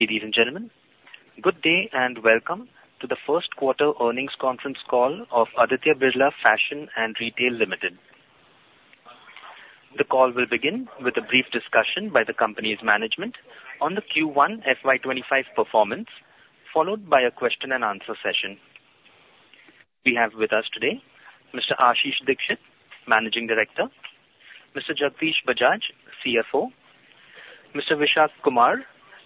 Ladies and gentlemen, good day and welcome to the First Quarter Earnings Conference Call of Aditya Birla Fashion and Retail Limited. The call will begin with a brief discussion by the company's management on the Q1 FY25 performance, followed by a question and answer session. We have with us today Mr. Ashish Dikshit, Managing Director; Mr. Jagdish Bajaj, CFO; Mr. Vishak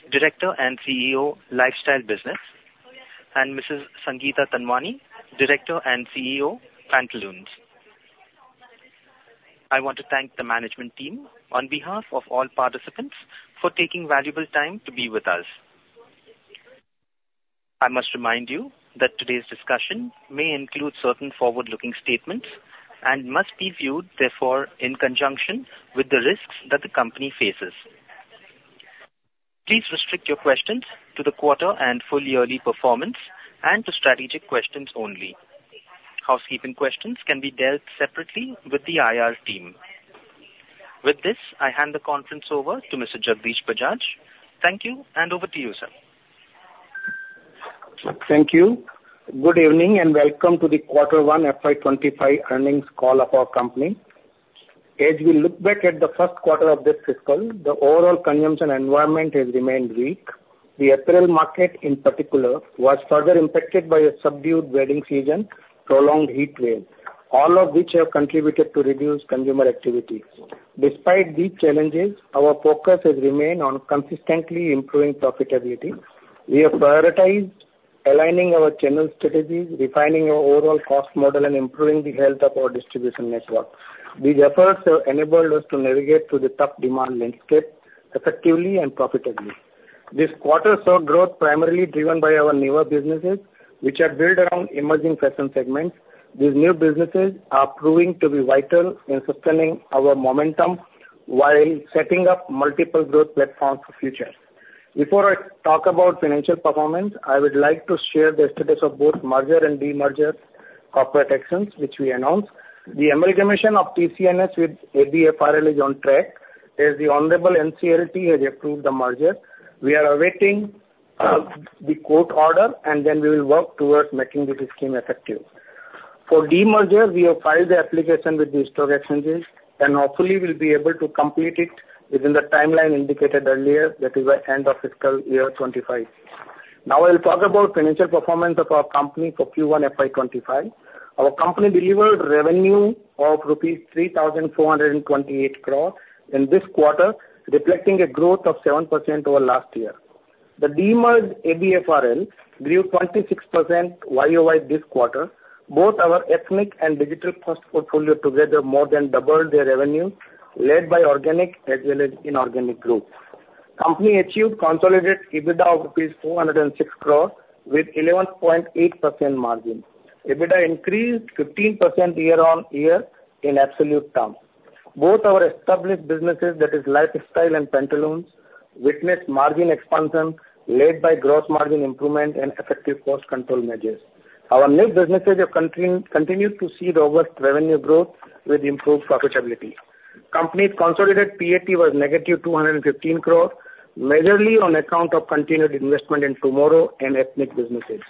Kumar, Director and CEO, Lifestyle Business; and Mrs. Sangeeta Tanwani, Director and CEO, Pantaloons. I want to thank the management team on behalf of all participants for taking valuable time to be with us. I must remind you that today's discussion may include certain forward-looking statements and must be viewed, therefore, in conjunction with the risks that the company faces. Please restrict your questions to the quarter and full yearly performance and to strategic questions only. Housekeeping questions can be dealt separately with the IR team. With this, I hand the conference over to Mr. Jagdish Bajaj. Thank you, and over to you, sir. Thank you. Good evening, and welcome to the Quarter 1 FY25 earnings call of our company. As we look back at the first quarter of this fiscal, the overall consumption environment has remained weak. The apparel market, in particular, was further impacted by a subdued wedding season, prolonged heat wave, all of which have contributed to reduced consumer activity. Despite these challenges, our focus has remained on consistently improving profitability. We have prioritized aligning our general strategies, refining our overall cost model, and improving the health of our distribution network. These efforts have enabled us to navigate through the tough demand landscape effectively and profitably. This quarter saw growth primarily driven by our newer businesses, which are built around emerging fashion segments. These new businesses are proving to be vital in sustaining our momentum while setting up multiple growth platforms for future. Before I talk about financial performance, I would like to share the status of both merger and demerger corporate actions, which we announced. The merger commission of TCNS with ABFRL is on track, as the honorable NCLT has approved the merger. We are awaiting, the court order, and then we will work towards making this scheme effective. For demerger, we have filed the application with the stock exchanges, and hopefully we'll be able to complete it within the timeline indicated earlier, that is, by end of fiscal year 25. Now, I'll talk about financial performance of our company for Q1 FY25. Our company delivered revenue of rupees 3,428 crore in this quarter, reflecting a growth of 7% over last year. The demerged ABFRL grew 26% YOY this quarter. Both our ethnic and digital first portfolio together more than doubled their revenue, led by organic as well as inorganic growth. Company achieved consolidated EBITDA of INR 406 crore, with 11.8% margin. EBITDA increased 15% year-on-year in absolute terms. Both our established businesses, that is, Lifestyle and Pantaloons, witnessed margin expansion led by gross margin improvement and effective cost control measures. Our new businesses continued to see robust revenue growth with improved profitability. Company's consolidated PAT was -215 crore, majorly on account of continued investment in TMWR and ethnic businesses.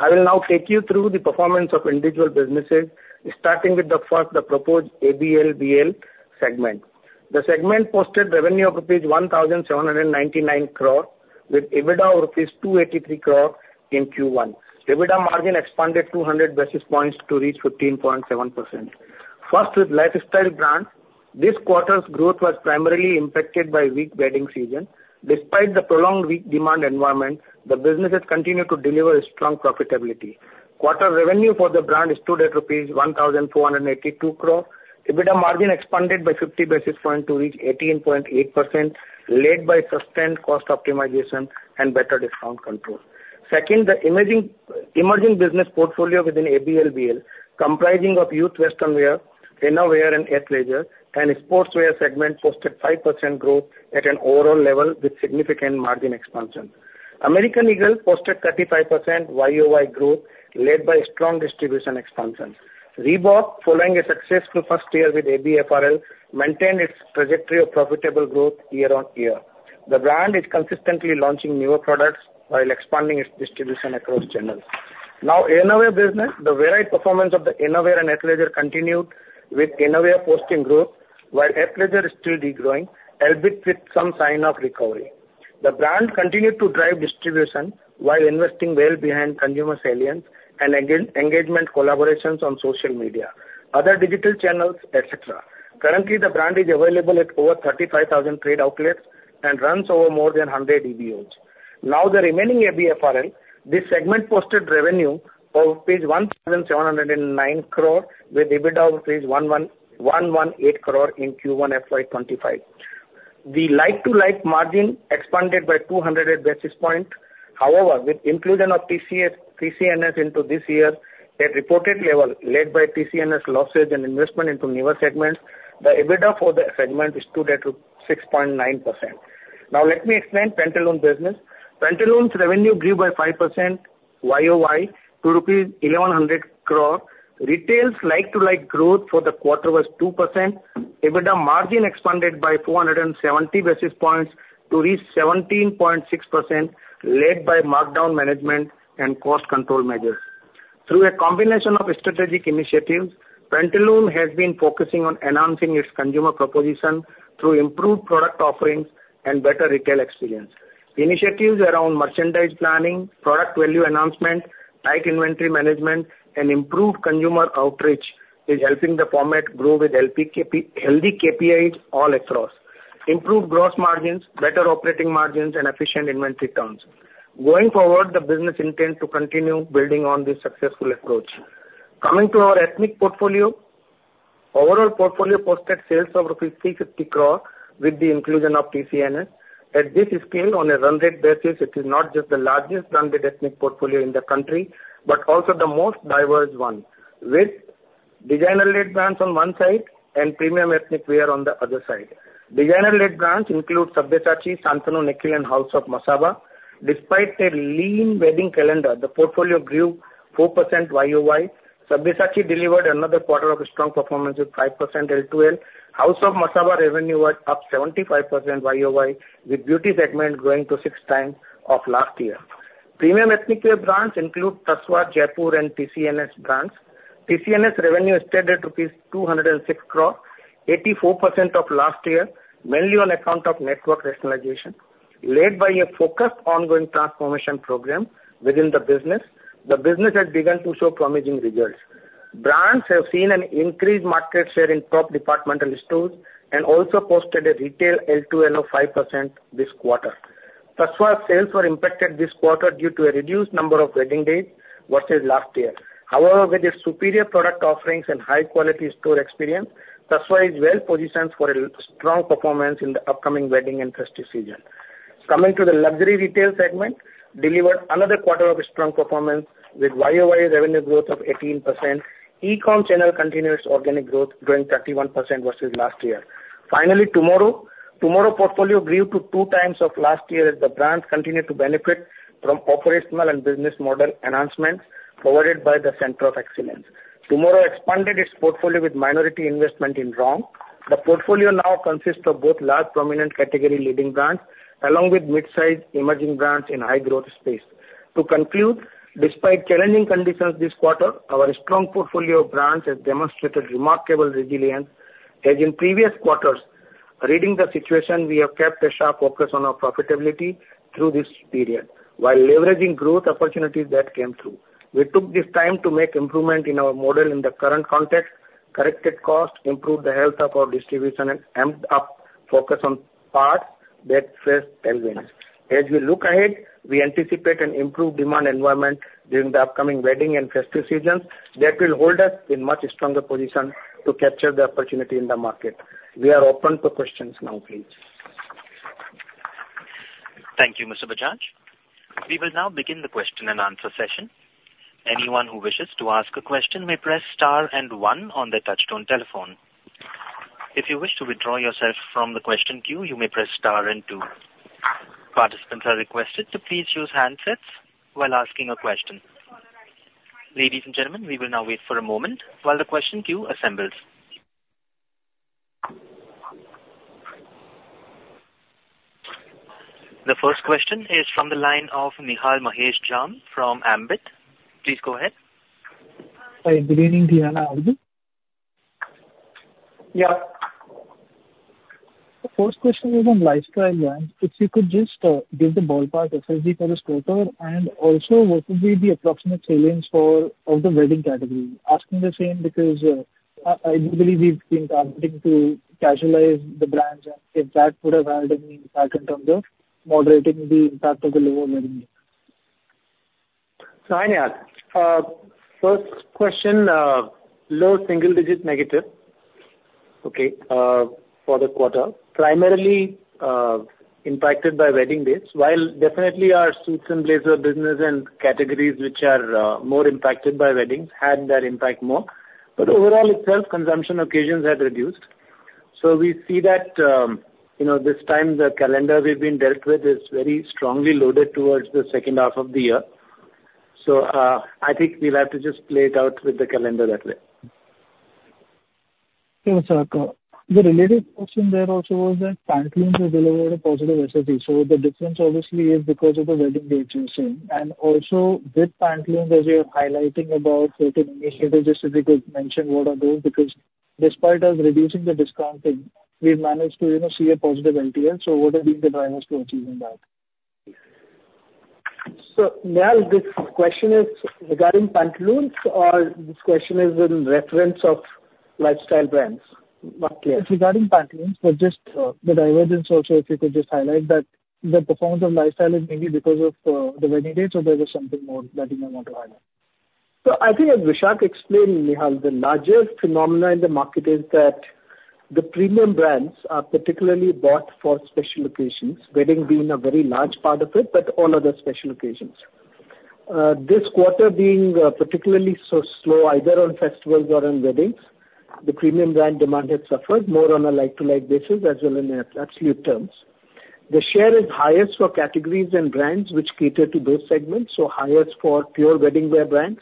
I will now take you through the performance of individual businesses, starting with the first, the proposed ABLBL segment. The segment posted revenue of rupees 1,799 crore, with EBITDA of rupees 283 crore in Q1. EBITDA margin expanded 200 basis points to reach 15.7%. First, with Lifestyle brand, this quarter's growth was primarily impacted by weak wedding season. Despite the prolonged weak demand environment, the businesses continued to deliver strong profitability. Quarter revenue for the brand stood at rupees 1,482 crore. EBITDA margin expanded by 50 basis points to reach 18.8%, led by sustained cost optimization and better discount control. Second, the emerging business portfolio within ABLBL, comprising of youth western wear, innerwear and Athleisure, and sportswear segment posted 5% growth at an overall level with significant margin expansion. American Eagle posted 35% YOY growth, led by strong distribution expansion. Reebok, following a successful first year with ABFRL, maintained its trajectory of profitable growth year-on-year. The brand is consistently launching newer products while expanding its distribution across channels. Now, Innerwear business. The varied performance of the Innerwear and Athleisure continued, with Innerwear posting growth, while Athleisure is still degrowing, albeit with some sign of recovery. The brand continued to drive distribution while investing well behind consumer salience and engagement collaborations on social media, other digital channels, et cetera. Currently, the brand is available at over 35,000 trade outlets and runs over more than 100 EBOs. Now, the remaining ABFRL. This segment posted revenue of 1,709 crore, with EBITDA of 118 crore in Q1 FY25. The like-to-like margin expanded by 200 basis points. However, with inclusion of TCNS into this year, at reported level, led by TCNS losses and investment into newer segments, the EBITDA for the segment stood at 6.9%. Now let me explain Pantaloons business. Pantaloons revenue grew by 5% YOY to INR 1,100 crore. Retail's like-to-like growth for the quarter was 2%. EBITDA margin expanded by 470 basis points to reach 17.6%, led by markdown management and cost control measures. Through a combination of strategic initiatives, Pantaloons has been focusing on enhancing its consumer proposition through improved product offerings and better retail experience. Initiatives around merchandise planning, product value enhancement, tight inventory management, and improved consumer outreach is helping the format grow with LTL, healthy KPIs all across, improved gross margins, better operating margins, and efficient inventory turns. Going forward, the business intends to continue building on this successful approach. Coming to our ethnic portfolio, overall portfolio posted sales of 550 crore with the inclusion of TCNS. As this is scaled on a run rate basis, it is not just the largest run rate ethnic portfolio in the country, but also the most diverse one, with designer-led brands on one side and premium ethnic wear on the other side. Designer-led brands include Sabyasachi, Shantanu & Nikhil, and House of Masaba. Despite a lean wedding calendar, the portfolio grew 4% YOY. Sabyasachi delivered another quarter of strong performance with 5% LTL. House of Masaba revenue was up 75% YOY, with beauty segment growing to 6 times of last year. Premium ethnic wear brands include Tasva, Jaypore, and TCNS brands. TCNS revenue stood at rupees 206 crore, 84% of last year, mainly on account of network rationalization, led by a focused ongoing transformation program within the business. The business has begun to show promising results. Brands have seen an increased market share in top departmental stores and also posted a retail LTL of 5% this quarter. Tasva sales were impacted this quarter due to a reduced number of wedding dates versus last year. However, with its superior product offerings and high quality store experience, Tasva is well positioned for a strong performance in the upcoming wedding and festive season. Coming to the luxury retail segment, delivered another quarter of strong performance with YOY revenue growth of 18%. E-com channel continues organic growth, growing 31% versus last year. Finally, TMWR. TMWR portfolio grew to 2x of last year as the brands continue to benefit from operational and business model enhancements provided by the Center of Excellence. TMWR expanded its portfolio with minority investment in Wrogn. The portfolio now consists of both large prominent category leading brands, along with mid-sized emerging brands in high growth space. To conclude, despite challenging conditions this quarter, our strong portfolio of brands has demonstrated remarkable resilience. As in previous quarters, reading the situation, we have kept a sharp focus on our profitability through this period, while leveraging growth opportunities that came through. We took this time to make improvement in our model in the current context, corrected costs, improved the health of our distribution, and amped up focus on parts that face challenges. As we look ahead, we anticipate an improved demand environment during the upcoming wedding and festive seasons that will hold us in much stronger position to capture the opportunity in the market. We are open to questions now, please. Thank you, Mr. Bajaj. We will now begin the question and answer session. Anyone who wishes to ask a question may press star and one on their touchtone telephone. If you wish to withdraw yourself from the question queue, you may press star and two. Participants are requested to please use handsets while asking a question. Ladies and gentlemen, we will now wait for a moment while the question queue assembles. The first question is from the line of Nihal Mahesh Jham from Ambit. Please go ahead. Hi, good evening, Nihal. Are you there? Yeah. The first question is on lifestyle brands. If you could just give the ballpark SSG for this quarter, and also, what would be the approximate sales for all the wedding categories? Asking the same because I do believe we've been targeting to casualize the brands, and if that would have had any impact in terms of moderating the impact of the lower wedding day. So, Nihal, first question, low single digit negative, okay, for the quarter, primarily impacted by wedding dates, while definitely our suits and blazer business and categories, which are more impacted by weddings, had that impact more. But overall itself, consumption occasions have reduced. So we see that, you know, this time the calendar we've been dealt with is very strongly loaded towards the second half of the year. So, I think we'll have to just play it out with the calendar that way. Okay, so the related question there also was that Pantaloons has delivered a positive SSG. So the difference obviously is because of the wedding dates you're saying, and also with Pantaloons, as you're highlighting about certain initiatives, if you could mention what are those? Because despite us reducing the discounting, we've managed to, you know, see a positive LTL. So what have been the drivers to achieving that? So, Nihal, this question is regarding Pantaloons or this question is in reference of lifestyle brands? Not clear. It's regarding Pantaloons, but just, the divergence also, if you could just highlight that the performance of lifestyle is maybe because of, the wedding dates or there is something more that you may want to highlight. So I think as Vishak explained, Nihal, the largest phenomena in the market is that the premium brands are particularly bought for special occasions, wedding being a very large part of it, but all other special occasions. This quarter being particularly so slow, either on festivals or on weddings, the premium brand demand has suffered more on a like-to-like basis as well in absolute terms. ...The share is highest for categories and brands which cater to base segments, so highest for pure wedding wear brands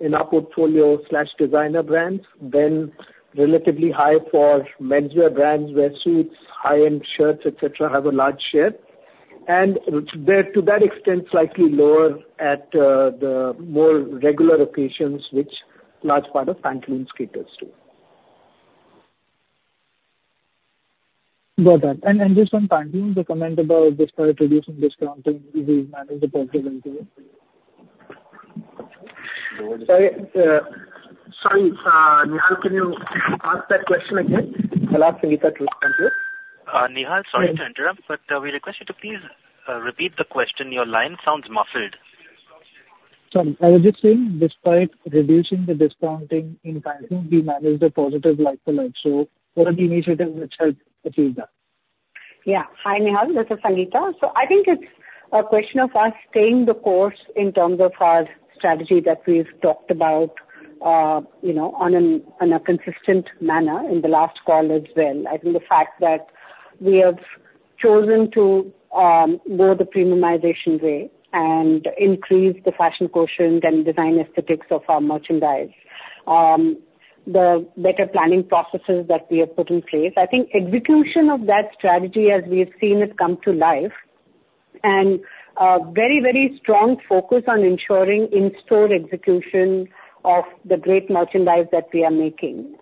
in our portfolio slash designer brands, then relatively high for menswear brands where suits, high-end shirts, et cetera, have a large share. And to that, to that extent, slightly lower at the more regular occasions, which large part of Pantaloons caters to. Got that. And just on Pantaloons, the comment about despite reducing discounting, we manage the positive into it. Sorry, sorry, Nihal, can you ask that question again? I'll ask Sangeeta to respond to it. Nihal, sorry to interrupt, but we request you to please repeat the question. Your line sounds muffled. Sorry. I was just saying, despite reducing the discounting in Pantaloons, we managed a positive like for like. What are the initiatives which helped achieve that? Yeah. Hi, Nihal, this is Sangeeta. So I think it's a question of us staying the course in terms of our strategy that we've talked about, you know, on an, on a consistent manner in the last call as well. I think the fact that we have chosen to go the premiumization way and increase the fashion quotient and design aesthetics of our merchandise, the better planning processes that we have put in place. I think execution of that strategy as we have seen it come to life, and a very, very strong focus on ensuring in-store execution of the great merchandise that we are making.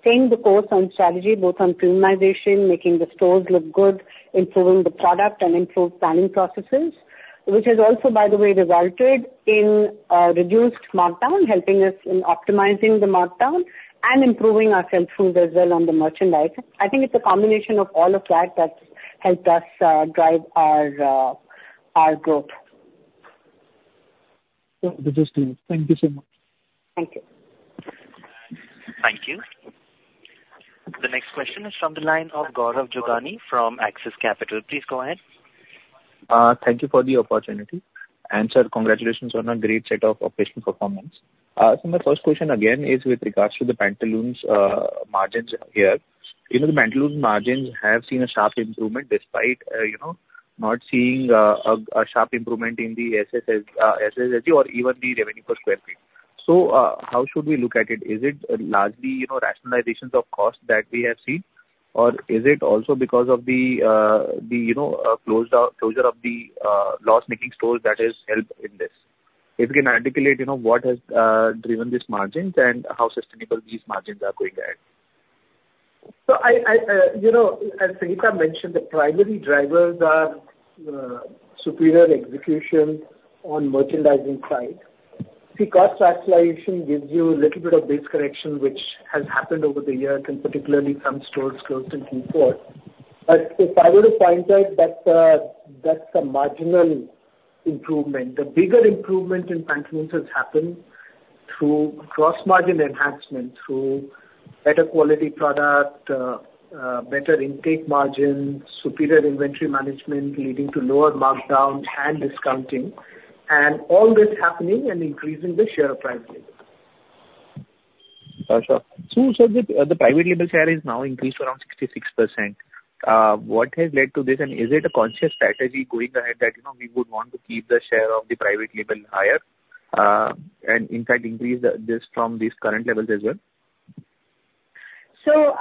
Staying the course on strategy, both on premiumization, making the stores look good, improving the product and improved planning processes, which has also, by the way, resulted in reduced markdown, helping us in optimizing the markdown and improving our sell-through as well on the merchandise. I think it's a combination of all of that that's helped us drive our growth. This is clear. Thank you so much. Thank you. Thank you. The next question is from the line of Gaurav Jogani from Axis Capital. Please go ahead. Thank you for the opportunity. And, sir, congratulations on a great set of operational performance. So my first question again is with regards to the Pantaloons margins here. You know, the Pantaloons margins have seen a sharp improvement despite, you know, not seeing a sharp improvement in the SSS, SSG or even the revenue per square feet. So, how should we look at it? Is it largely, you know, rationalizations of cost that we have seen, or is it also because of the, you know, closure of the loss-making stores that has helped in this? If you can articulate, you know, what has driven these margins and how sustainable these margins are going ahead. So, I, you know, as Sangeeta mentioned, the primary drivers are superior execution on merchandising side. See, cost rationalization gives you a little bit of base correction, which has happened over the years, and particularly some stores closed and so forth. But if I were to point out that, that's a marginal improvement. The bigger improvement in Pantaloons has happened through gross-margin enhancement, through better quality product, better intake margins, superior inventory management, leading to lower markdowns and discounting, and all this happening and increasing the share of private label. Got you. So the private label share is now increased to around 66%. What has led to this? And is it a conscious strategy going ahead that, you know, we would want to keep the share of the private label higher, and in fact, increase this from these current levels as well? So,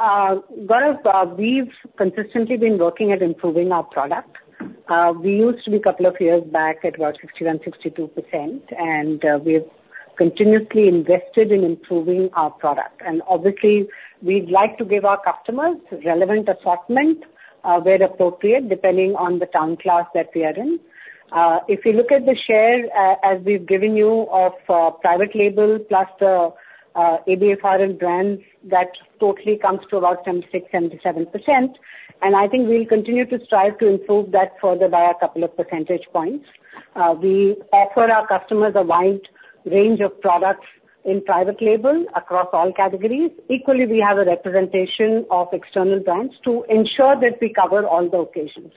Gaurav, we've consistently been working at improving our product. We used to be couple of years back at about 61%-62%, and we've continuously invested in improving our product. Obviously, we'd like to give our customers relevant assortment, where appropriate, depending on the town class that we are in. If you look at the share, as we've given you of, private label plus the ABFRL brands, that totally comes to about 76%-77%. I think we'll continue to strive to improve that further by a couple of percentage points. We offer our customers a wide range of products in private label across all categories. Equally, we have a representation of external brands to ensure that we cover all the occasions.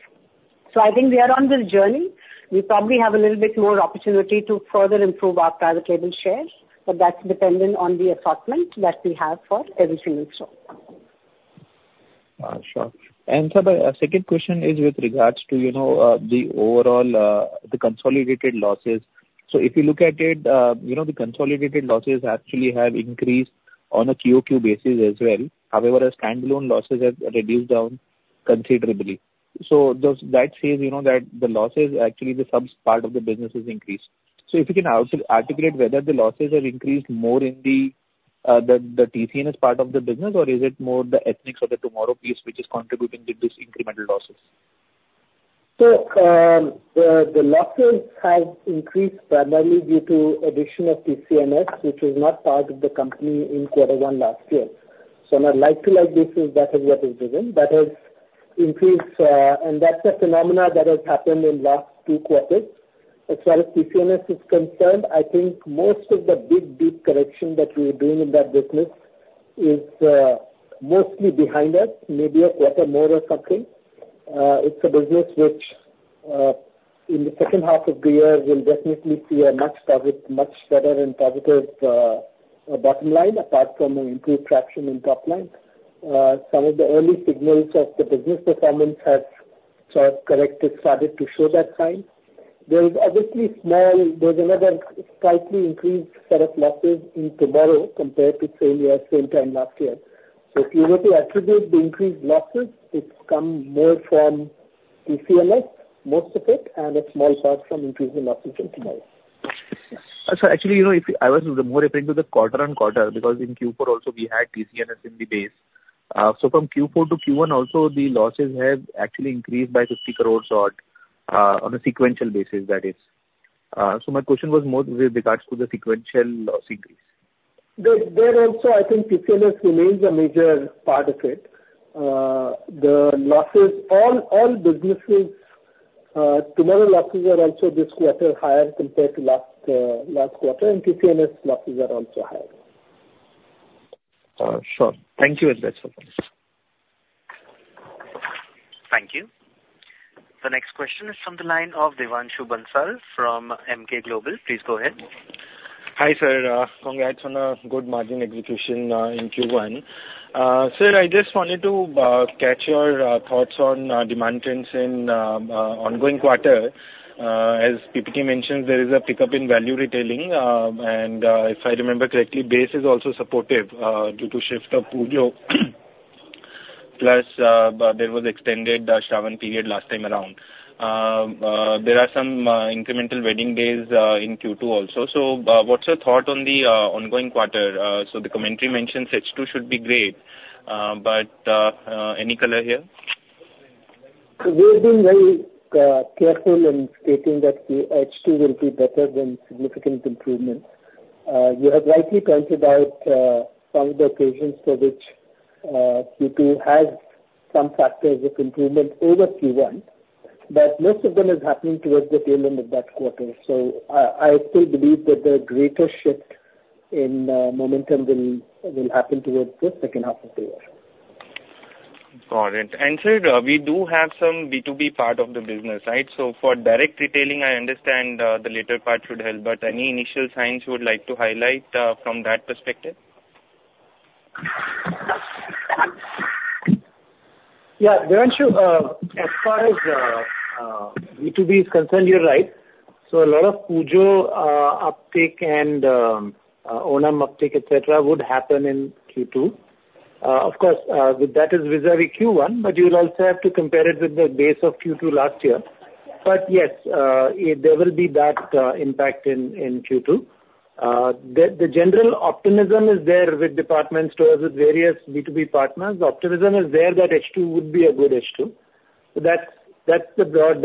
So I think we are on this journey. We probably have a little bit more opportunity to further improve our private label shares, but that's dependent on the assortment that we have for every single store. Sure. And sir, the, second question is with regards to, you know, the overall, the consolidated losses. So if you look at it, you know, the consolidated losses actually have increased on a QOQ basis as well. However, the standalone losses have reduced down considerably. So that says, you know, that the losses, actually the subs part of the business has increased. So if you can also articulate whether the losses have increased more in the, the TCNS part of the business, or is it more the ethnics or the TMWR piece which is contributing to this incremental losses? So, the losses have increased primarily due to addition of TCNS, which was not part of the company in quarter one last year. So on a like-to-like basis, that is what is driven. That has increased, and that's a phenomenon that has happened in last two quarters. As far as TCNS is concerned, I think most of the big, big correction that we were doing in that business is mostly behind us, maybe a quarter more or something. It's a business which in the second half of the year, we'll definitely see a much profit, much better and positive bottom line, apart from an improved traction in top line. Some of the early signals of the business performance have sort of corrected, started to show that sign. There is obviously. There's another slightly increased set of losses in TMRW compared to same year, same time last year. So if you were to attribute the increased losses, it's come more from TCNS, most of it, and a small part from increasing losses in TMRW. Sir, actually, you know, if I was more referring to the quarter-on-quarter, because in Q4 also we had TCNS in the base. So from Q4 to Q1 also, the losses have actually increased by 60 crore or so, on a sequential basis, that is. So my question was more with regards to the sequential loss increase. There, there also, I think TCNS remains a major part of it. The losses, all, all businesses, TMRW losses are also this quarter higher compared to last, last quarter, and TCNS losses are also higher. Sure. Thank you, and that's okay. Thank you. The next question is from the line of Devanshu Bansal from Emkay Global. Please go ahead. Hi, sir, congrats on a good margin execution in Q1. Sir, I just wanted to catch your thoughts on demand trends in ongoing quarter. As PPT mentions, there is a pickup in value retailing, and if I remember correctly, base is also supportive due to shift of Pujo Plus, but there was extended the Shravan period last time around. There are some incremental wedding days in Q2 also. So, what's your thought on the ongoing quarter? So the commentary mentions H2 should be great, but any color here? We're being very careful in stating that the H2 will be better than significant improvement. You have rightly pointed out some of the occasions for which Q2 has some factors of improvement over Q1, but most of them is happening towards the tail end of that quarter. I still believe that the greatest shift in momentum will happen towards the second half of the year. Got it. And, sir, we do have some B2B part of the business, right? So for direct retailing, I understand, the later part should help, but any initial signs you would like to highlight, from that perspective? Yeah, Devanshu, as far as B2B is concerned, you're right. So a lot of Pujo uptick and Onam uptick, et cetera, would happen in Q2. Of course, with that is vis-a-vis Q1, but you'll also have to compare it with the base of Q2 last year. But yes, there will be that impact in Q2. The general optimism is there with department stores, with various B2B partners. The optimism is there that H2 would be a good H2. So that's the broad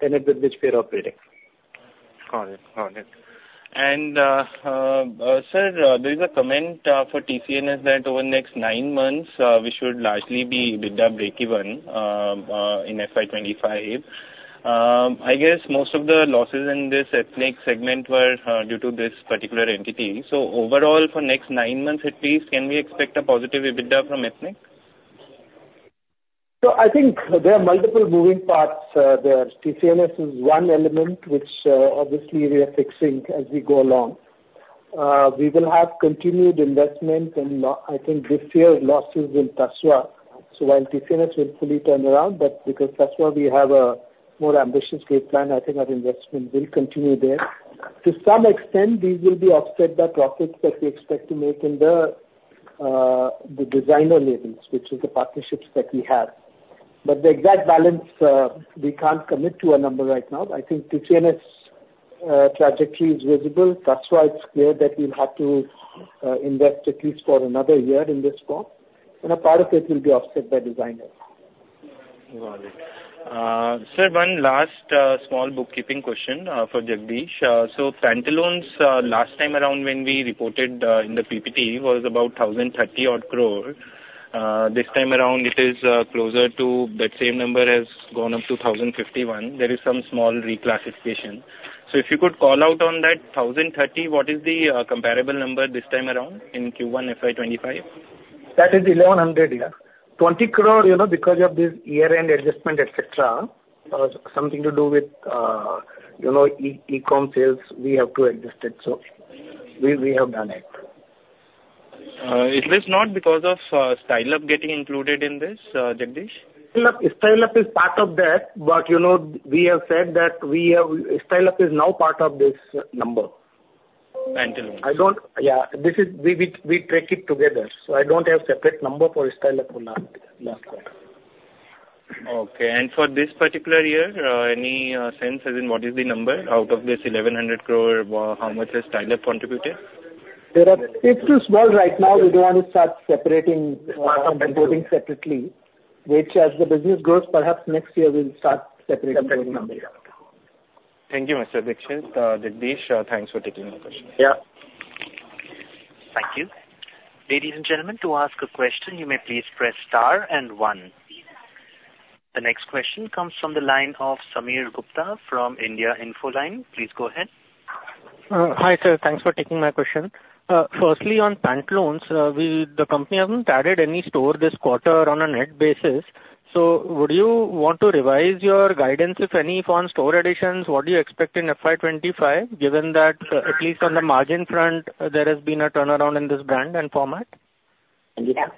tenet with which we are operating. Got it. Got it. And, sir, there is a comment for TCNS that over the next nine months, we should largely be EBITDA breakeven in FY25. I guess most of the losses in this ethnic segment were due to this particular entity. So overall, for next nine months at least, can we expect a positive EBITDA from ethnic? So I think there are multiple moving parts there. TCNS is one element which, obviously we are fixing as we go along. We will have continued investment, and I think this year, losses in Tasva. So while TCNS will fully turn around, but because Tasva, we have a more ambitious growth plan, I think our investment will continue there. To some extent, these will be offset by profits that we expect to make in the, the designer labels, which is the partnerships that we have. But the exact balance, we can't commit to a number right now. I think TCNS, trajectory is visible. That's why it's clear that we'll have to, invest at least for another year in this form, and a part of it will be offset by designers. Got it. Sir, one last small bookkeeping question for Jagdish. So Pantaloons, last time around when we reported, in the PPT, was about 1,030 crore. This time around, it is closer to that same number has gone up to 1,051. There is some small reclassification. So if you could call out on that 1,030, what is the comparable number this time around in Q1 FY25? That is 1,100, yeah. 20 crore, you know, because of this year-end adjustment, et cetera, something to do with, you know, e-commerce sales, we have to adjust it, so we have done it. Is this not because of Style Up getting included in this, Jagdish? Style Up is part of that, but, you know, we have said that we have... Style Up is now part of this number. Pantalones. I don't... Yeah, this is, we track it together, so I don't have separate number for Style Up or last time. Okay. For this particular year, any sense, as in what is the number? Out of this 1,100 crore, how much has Style Up contributed? There are, it's too small right now. We don't want to start separating- Uh, okay. or reporting separately, which as the business grows, perhaps next year we'll start separating the numbers. Thank you, Mr. Dikshit. Jagdish, thanks for taking my question. Yeah. Thank you. Ladies and gentlemen, to ask a question, you may please press Star and one. The next question comes from the line of Sameer Gupta from India Infoline. Please go ahead.... Hi, sir. Thanks for taking my question. Firstly, on Pantaloons, we, the company hasn't added any store this quarter on a net basis. So would you want to revise your guidance, if any, on store additions? What do you expect in FY25, given that, at least on the margin front, there has been a turnaround in this brand and format? Sangeeta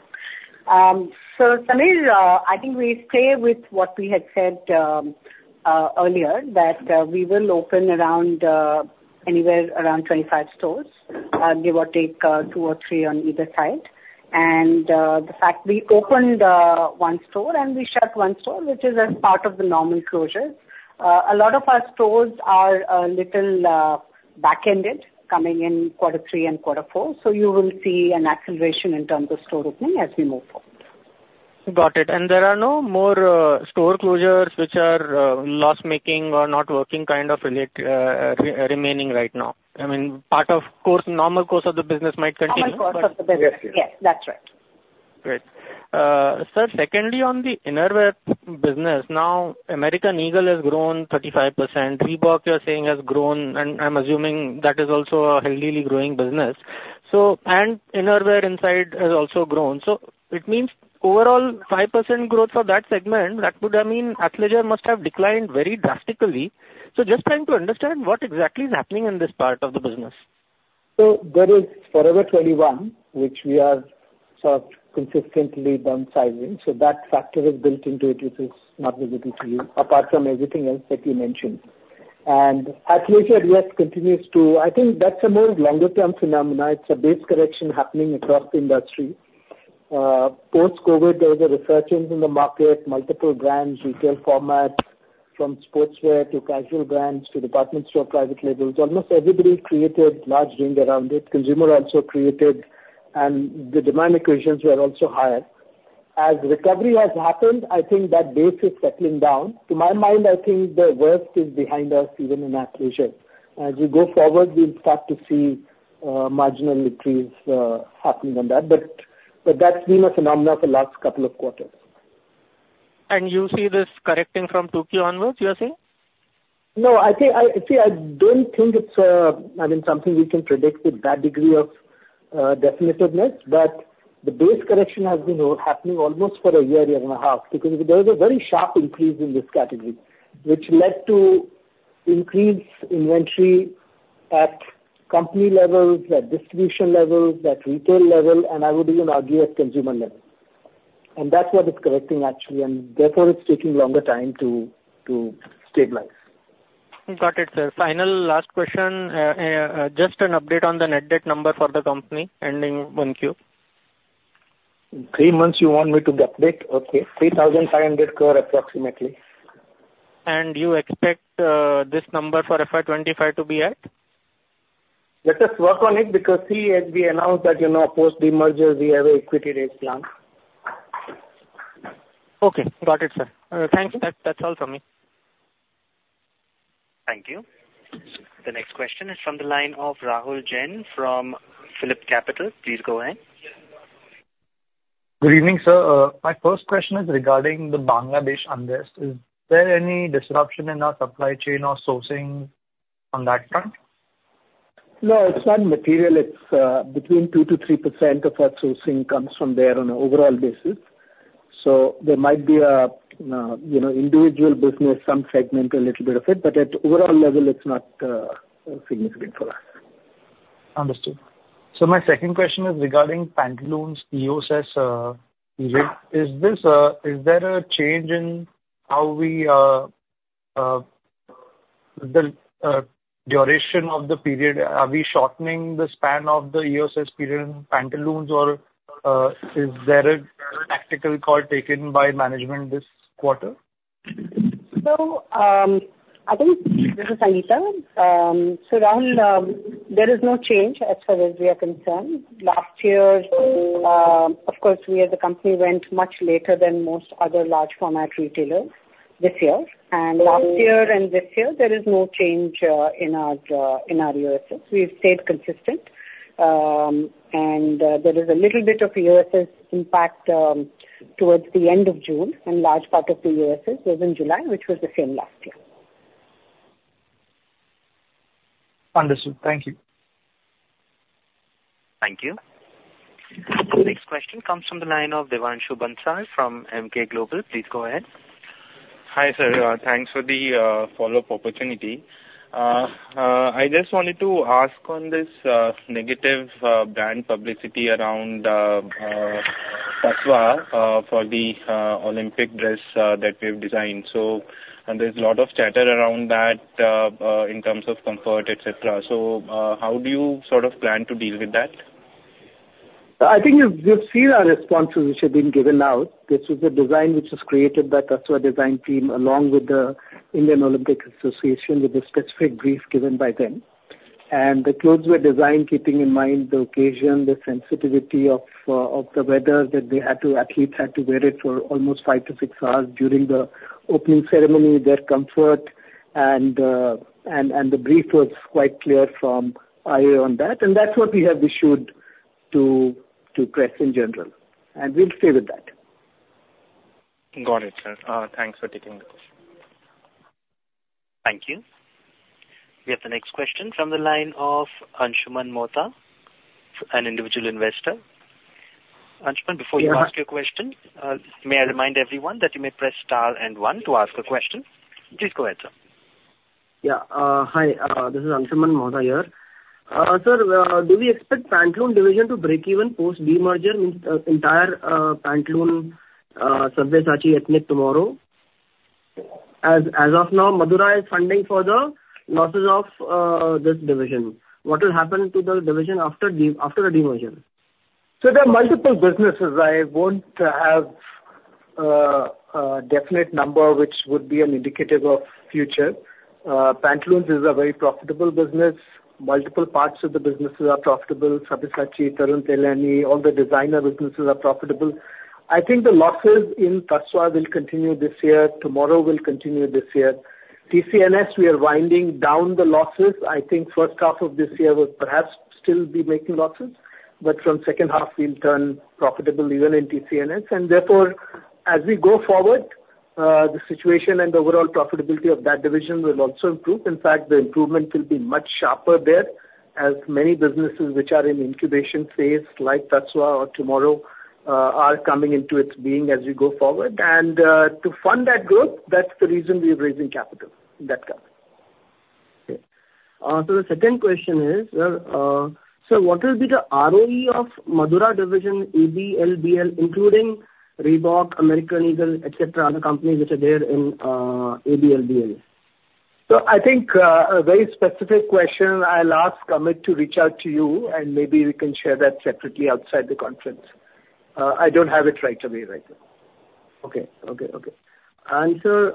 Sangeeta Got it. And there are no more store closures which are loss-making or not working, kind of related remaining right now? I mean, part, of course, normal course of the business might continue. Normal course of the business. Yes. Yes, that's right. Great. Sir, secondly, on the innerwear business, now, American Eagle has grown 35%. Reebok, you're saying, has grown, and I'm assuming that is also a healthily growing business. So, and innerwear inside has also grown. So it means overall, 5% growth for that segment, that would mean Athleisure must have declined very drastically. So just trying to understand what exactly is happening in this part of the business. So there is Forever 21, which we are sort of consistently downsizing, so that factor is built into it, which is not visible to you, apart from everything else that you mentioned. And Athleisure yes, continues to... I think that's a more longer-term phenomena. It's a base correction happening across the industry. Post-COVID, there was a resurgence in the market, multiple brands, retail formats, from sportswear to casual brands, to department store, private labels. Almost everybody created large range around it. Consumer also created, and the demand equations were also higher. As recovery has happened, I think that base is settling down. To my mind, I think the worst is behind us, even in Athleisure. As we go forward, we'll start to see marginal increase happening on that. But, but that's been a phenomena for the last couple of quarters. You see this correcting from 2Q onwards, you are saying? No, I think, I see, I don't think it's, I mean, something we can predict with that degree of definitiveness. But the base correction has been happening almost for a year, year and a half, because there was a very sharp increase in this category, which led to increased inventory at company levels, at distribution levels, at retail level, and I would even argue at consumer level. And that's what is correcting, actually, and therefore it's taking longer time to stabilize. Got it, sir. Final, last question. Just an update on the net debt number for the company, ending Q1? Three months you want me to update? Okay. 3,500 crore, approximately. You expect this number for FY25 to be up? Let us work on it, because C, as we announced, that, you know, post the merger, we have a equity raise plan. Okay, got it, sir. Thanks. That, that's all from me. Thank you. The next question is from the line of Rahul Jain from PhillipCapital. Please go ahead. Good evening, sir. My first question is regarding the Bangladesh unrest. Is there any disruption in our supply chain or sourcing on that front? No, it's not material. It's between 2%-3% of our sourcing comes from there on an overall basis. So there might be a, you know, individual business, some segment, a little bit of it, but at overall level, it's not significant for us. Understood. So my second question is regarding Pantaloons EOS rate. Is there a change in how we the duration of the period? Are we shortening the span of the EOS period in Pantaloons, or is there a tactical call taken by management this quarter? This is Sangeeta. So Rahul, there is no change as far as we are concerned. Last year, of course, we as a company went much later than most other large format retailers this year. Last year and this year, there is no change in our EOS. We've stayed consistent. And there is a little bit of EOS impact towards the end of June, and large part of the EOS was in July, which was the same last year. Understood. Thank you. Thank you. The next question comes from the line of Devanshu Bansal from Emkay Global. Please go ahead. Hi, sir, thanks for the follow-up opportunity. I just wanted to ask on this negative brand publicity around Tasva for the Olympic dress that we've designed. So, and there's a lot of chatter around that in terms of comfort, et cetera. So, how do you sort of plan to deal with that? I think you, you've seen our responses which have been given out. This was a design which was created by Tasva design team, along with the Indian Olympic Association, with a specific brief given by them. The clothes were designed keeping in mind the occasion, the sensitivity of the weather, that they had to, athletes had to wear it for almost 5-6 hours during the opening ceremony, their comfort, and the brief was quite clear from IOA on that. That's what we have issued to, to press in general, and we'll stay with that.... Got it, sir. Thanks for taking the question. Thank you. We have the next question from the line of Anshuman Mohta, an individual investor. Anshuman, before you ask your question, may I remind everyone that you may press star and one to ask a question. Please go ahead, sir. Yeah, hi, this is Anshuman Mohta here. Sir, do we expect Pantaloons division to break even post demerger, means, the entire Pantaloons, Sabyasachi, and TMRW? As, as of now, Madura is funding for the losses of this division. What will happen to the division after the, after the demerger? So there are multiple businesses. I won't have a definite number which would be an indicative of future. Pantaloons is a very profitable business. Multiple parts of the businesses are profitable. Sabyasachi, Tarun Tahiliani, all the designer businesses are profitable. I think the losses in Tasva will continue this year. TMRW will continue this year. TCNS, we are winding down the losses. I think first half of this year will perhaps still be making losses, but from second half we'll turn profitable even in TCNS. And therefore, as we go forward, the situation and overall profitability of that division will also improve. In fact, the improvement will be much sharper there, as many businesses which are in incubation phase, like Tasva or TMRW, are coming into its being as we go forward. To fund that growth, that's the reason we are raising capital, in that regard. Okay. So the second question is, so what will be the ROE of Madura division, ABBL, including Reebok, American Eagle, et cetera, other companies which are there in, ABBL? So I think, a very specific question. I'll ask Amit to reach out to you, and maybe we can share that separately outside the conference. I don't have it right away, right now. Okay. Okay, okay. And sir,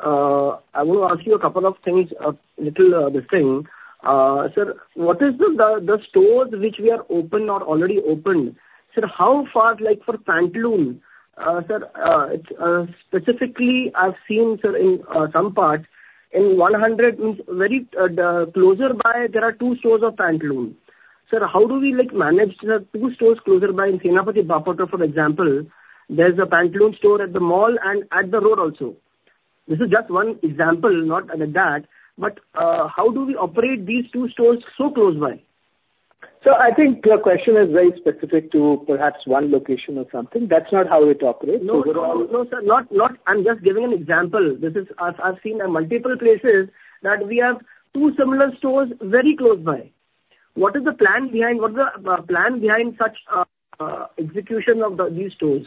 I want to ask you a couple of things, a little different. Sir, what is the, the, the stores which we are open or already opened, sir, how far, like, for Pantaloons, sir, it's specifically, I've seen, sir, in some parts, in 100 meters very close by there are two stores of Pantaloons. Sir, how do we, like, manage the two stores closer by in Chennapatna, for example, there's a Pantaloons store at the mall and at the road also. This is just one example, not like that. But how do we operate these two stores so close by? I think your question is very specific to perhaps one location or something. That's not how we operate. No, no, sir. I'm just giving an example. This is, I've seen in multiple places that we have two similar stores very close by. What is the plan behind, what is the plan behind such execution of these stores?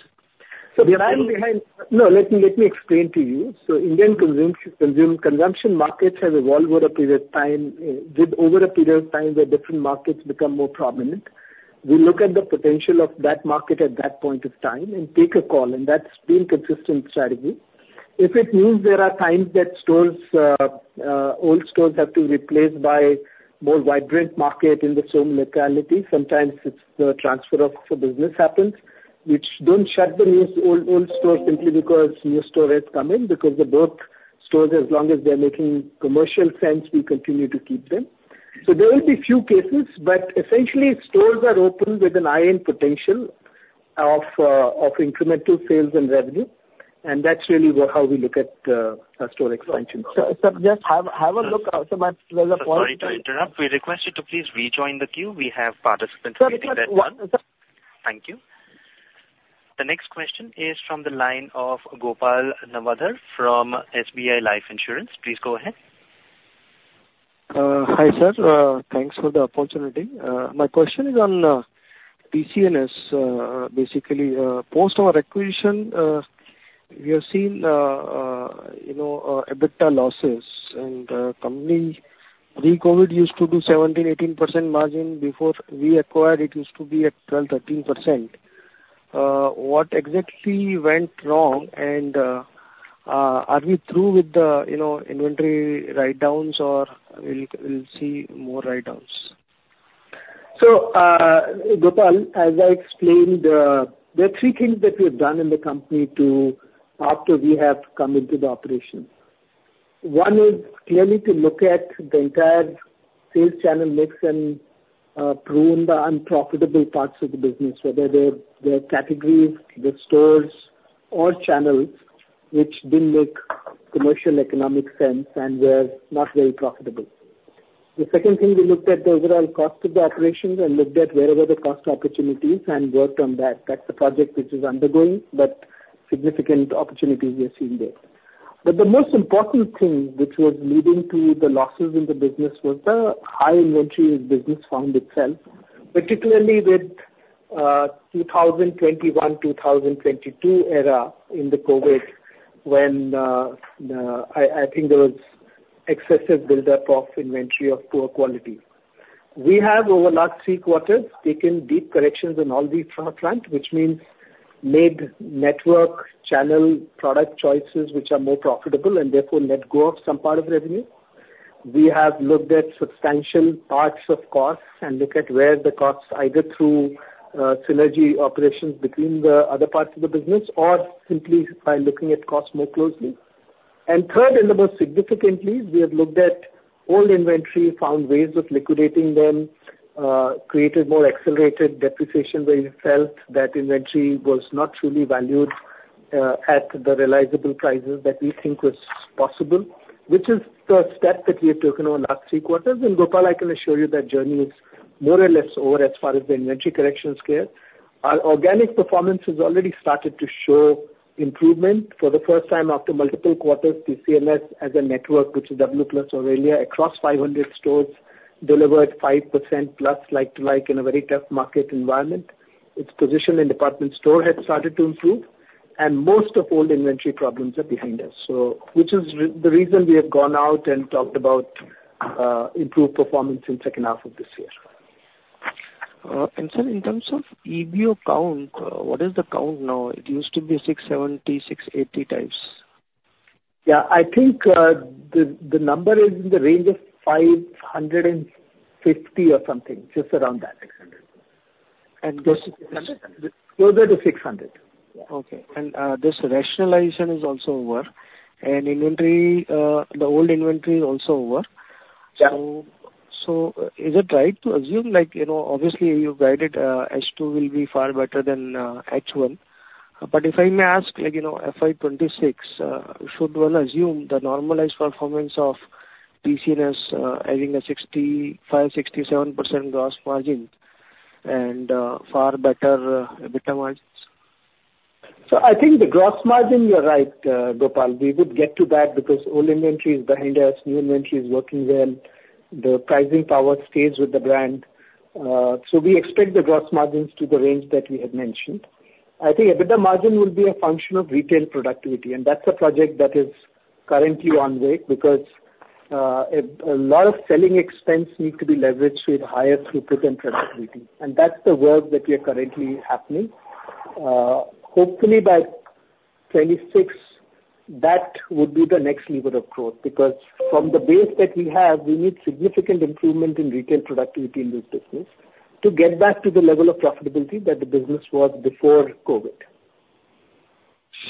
So the plan behind... No, let me, let me explain to you. So Indian consumption markets have evolved over a period of time, with over a period of time, where different markets become more prominent. We look at the potential of that market at that point of time and take a call, and that's been consistent strategy. If it means there are times that stores, old stores have to be replaced by more vibrant market in the same locality, sometimes it's the transfer of the business happens, which don't shut the new, old store simply because new store has come in, because they're both stores, as long as they're making commercial sense, we continue to keep them. So there will be few cases, but essentially stores are open with an eye on potential of, of incremental sales and revenue, and that's really how we look at our store expansion. Sir, just have a look, sir, might as well- Sorry to interrupt. We request you to please rejoin the queue. We have participants waiting there. Sir, just one- Thank you. The next question is from the line of Gopal Nawandhar from SBI Life Insurance. Please go ahead. Hi, sir, thanks for the opportunity. My question is on TCNS. Basically, post our acquisition, we have seen, you know, EBITDA losses. And, company, pre-COVID used to do 17%-18% margin. Before we acquired, it used to be at 12%-13%. What exactly went wrong? And, are we through with the, you know, inventory writedowns, or we'll see more writedowns? So, Gopal, as I explained, there are three things that we've done in the company to... after we have come into the operation. One is clearly to look at the entire sales channel mix and prune the unprofitable parts of the business, whether they're categories, stores or channels, which didn't make commercial economic sense and were not very profitable. The second thing, we looked at the overall cost of the operations and looked at where were the cost opportunities and worked on that. That's a project which is undergoing, but significant opportunities we are seeing there. But the most important thing which was leading to the losses in the business was the high inventory business found itself, particularly with 2021 to 2022 era in the COVID, when I think there was excessive buildup of inventory of poor quality. We have, over last three quarters, taken deep corrections on all these fronts, which means made network, channel, product choices which are more profitable and therefore let go of some part of the revenue. We have looked at substantial parts of costs and look at where the costs, either through synergy operations between the other parts of the business or simply by looking at costs more closely. And third, and the most significantly, we have looked at old inventory, found ways of liquidating them, created more accelerated depreciation, where we felt that inventory was not truly valued at the realizable prices that we think was possible, which is the step that we have taken over the last three quarters. And Gopal, I can assure you that journey is more or less over as far as the inventory corrections go. Our organic performance has already started to show improvement. For the first time after multiple quarters, TCNS as a network, which is W Plus or earlier, across 500 stores, delivered 5%+ like to like in a very tough market environment. Its position in department store has started to improve, and most of old inventory problems are behind us. So which is the reason we have gone out and talked about improved performance in second half of this year. Sir, in terms of EBO count, what is the count now? It used to be 670, 680 types. Yeah, I think, the number is in the range of 550 or something, just around that, 600. Closer to 600? Closer to 600, yeah. Okay. And this rationalization is also over, and inventory, the old inventory is also over. Yeah. So, is it right to assume, like, you know, obviously you guided, H2 will be far better than H1. But if I may ask, like, you know, FY 2026, should one assume the normalized performance of TCNS, having a 65%-67% gross margin and far better EBITDA margins? So I think the gross margin, you're right, Gopal. We would get to that because old inventory is behind us, new inventory is working well, the pricing power stays with the brand. So we expect the gross margins to the range that we had mentioned. I think EBITDA margin will be a function of retail productivity, and that's a project that is currently on way, because a lot of selling expense need to be leveraged with higher throughput and productivity. And that's the work that we are currently happening. Hopefully by 2026, that would be the next lever of growth, because from the base that we have, we need significant improvement in retail productivity in this business to get back to the level of profitability that the business was before COVID.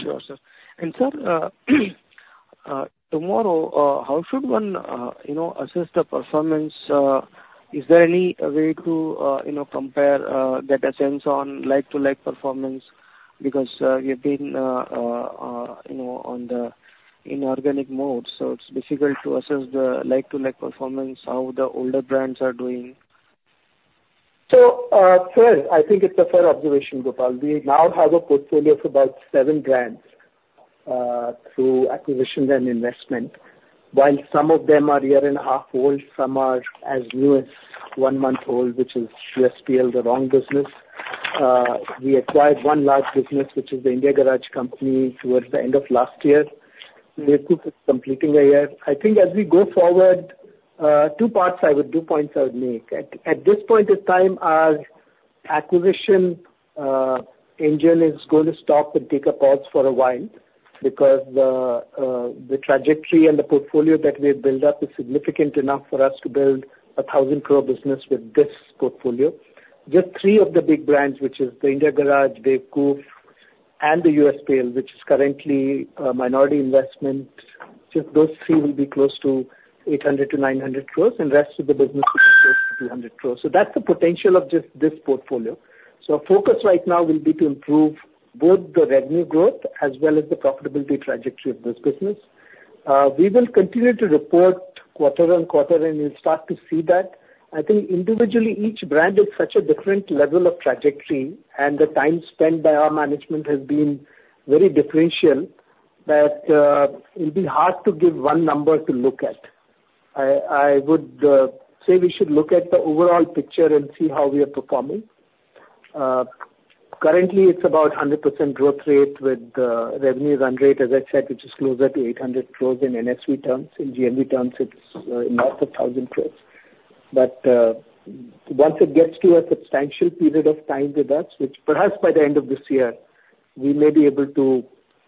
Sure, sir. And sir, TMWR, how should one, you know, assess the performance? Is there any way to, you know, compare, get a sense on like-to-like performance? Because, you've been, you know, on the inorganic mode, so it's difficult to assess the like-to-like performance, how the older brands are doing. So, first, I think it's a fair observation, Gopal. We now have a portfolio of about seven brands through acquisitions and investment. While some of them are a year and a half old, some are as new as one month old, which is USPL, the Wrogn business. We acquired one large business, which is The Indian Garage Co., towards the end of last year. We are completing a year. I think as we go forward, two parts I would... two points I would make. At, at this point in time, our acquisition engine is going to stop and take a pause for a while because the, the trajectory and the portfolio that we have built up is significant enough for us to build an 1,000 crore business with this portfolio. Just three of the big brands, which is the Indian Garage, Bewakoof, and the USPL, which is currently a minority investment, just those three will be close to 800-900 crores, and the rest of the business will be close to 200 crores. So that's the potential of just this portfolio. So our focus right now will be to improve both the revenue growth as well as the profitability trajectory of this business. We will continue to report quarter on quarter, and you'll start to see that. I think individually, each brand is such a different level of trajectory, and the time spent by our management has been very differential that, it'll be hard to give one number to look at. I, I would, say we should look at the overall picture and see how we are performing. Currently, it's about 100% growth rate, with revenues run rate, as I said, which is closer to 800 crore in NSV terms. In GMV terms, it's north of 1,000 crore. But once it gets to a substantial period of time with us, which perhaps by the end of this year, we may be able to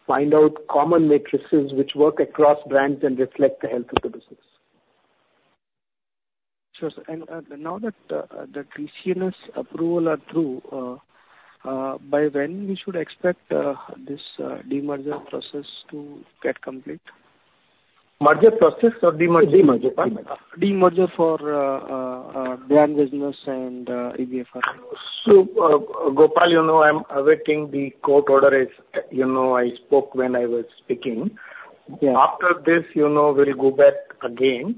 find out common matrices which work across brands and reflect the health of the business. Sure, sir. And, now that the TCNS approval are through, by when we should expect this demerger process to get complete? Merger process or demerger? Demerger. Demerger for brand business and EBO. So, Gopal, you know, I'm awaiting the court order, as you know, I spoke when I was speaking. Yeah. After this, you know, we'll go back again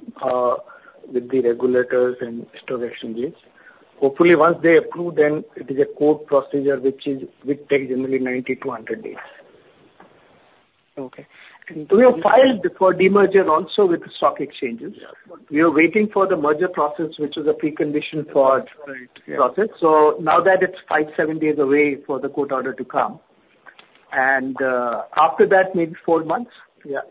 with the regulators and stock exchanges. Hopefully, once they approve, then it is a court procedure, which takes generally 90-100 days. Okay. We have filed for demerger also with the stock exchanges. Yeah. We are waiting for the merger process, which is a precondition for- Right. - the process. So now that it's five to seven days away for the court order to come, and after that, maybe four months. Yeah.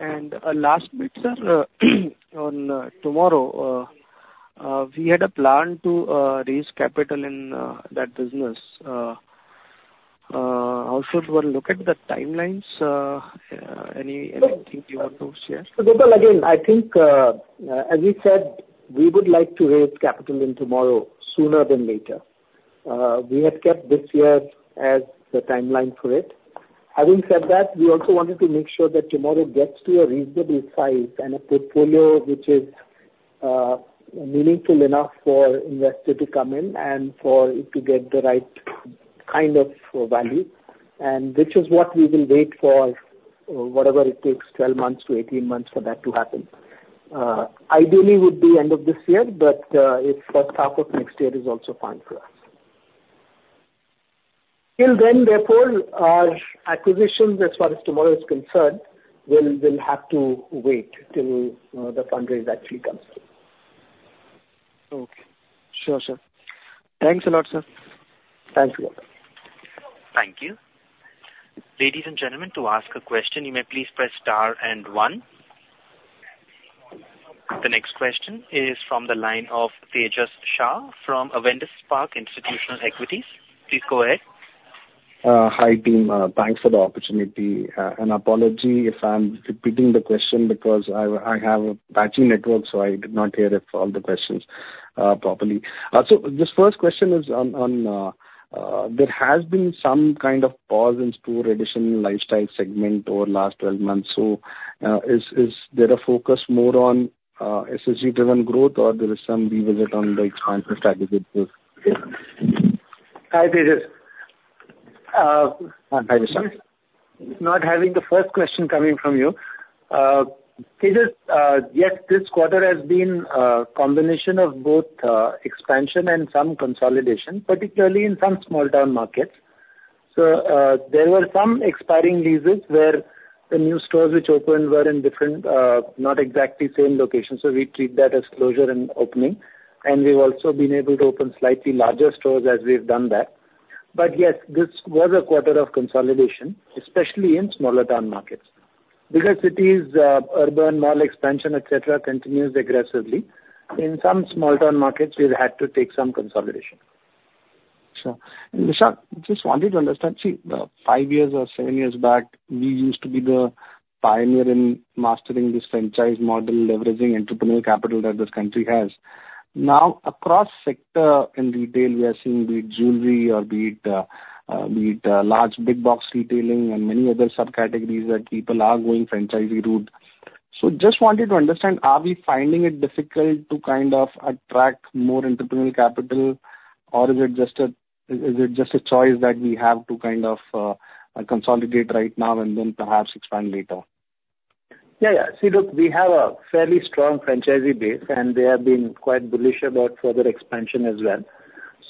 And, last bit, sir, on TMRW, we had a plan to raise capital in that business. How should one look at the timelines? Anything you want to share? So Gopal, again, I think, as we said, we would like to raise capital in TMRW, sooner than later. We had kept this year as the timeline for it. Having said that, we also wanted to make sure that TMRW gets to a reasonable size and a portfolio which is meaningful enough for investor to come in and for it to get the right kind of value, and which is what we will wait for, whatever it takes, 12 months to 18 months for that to happen. Ideally, would be end of this year, but if first half of next year is also fine for us. Till then, therefore, our acquisitions as far as TMRW is concerned, will have to wait till the fundraising actually comes through. Okay. Sure, sir. Thanks a lot, sir. Thanks a lot. Thank you. Ladies and gentlemen, to ask a question, you may please press star and one. The next question is from the line of Tejas Shah from Avendus Spark Institutional Equities. Please go ahead. Hi, team. Thanks for the opportunity. An apology if I'm repeating the question because I have a patchy network, so I did not hear all the questions properly. So this first question is on there has been some kind of pause in store addition in lifestyle segment over last 12 months. Is there a focus more on SSG driven growth, or there is some revisit on the franchise strategy with this? Hi, Tejas. Hi, Vishal. Not having the first question coming from you. Tejas, yes, this quarter has been combination of both, expansion and some consolidation, particularly in some small town markets. So, there were some expiring leases where the new stores which opened were in different, not exactly same location, so we treat that as closure and opening. And we've also been able to open slightly larger stores as we've done that. But yes, this was a quarter of consolidation, especially in smaller town markets. Bigger cities, urban, mall expansion, et cetera, continues aggressively. In some small town markets, we've had to take some consolidation. Sure. Vishak, just wanted to understand, see, five years or seven years back, we used to be the pioneer in mastering this franchise model, leveraging entrepreneurial capital that this country has. Now, across sector and retail, we are seeing, be it jewelry or be it, be it, large big box retailing and many other subcategories that people are going franchisee route. So just wanted to understand, are we finding it difficult to kind of attract more entrepreneurial capital, or is it just a, is, is it just a choice that we have to kind of, consolidate right now and then perhaps expand later? Yeah, yeah. See, look, we have a fairly strong franchisee base, and they have been quite bullish about further expansion as well.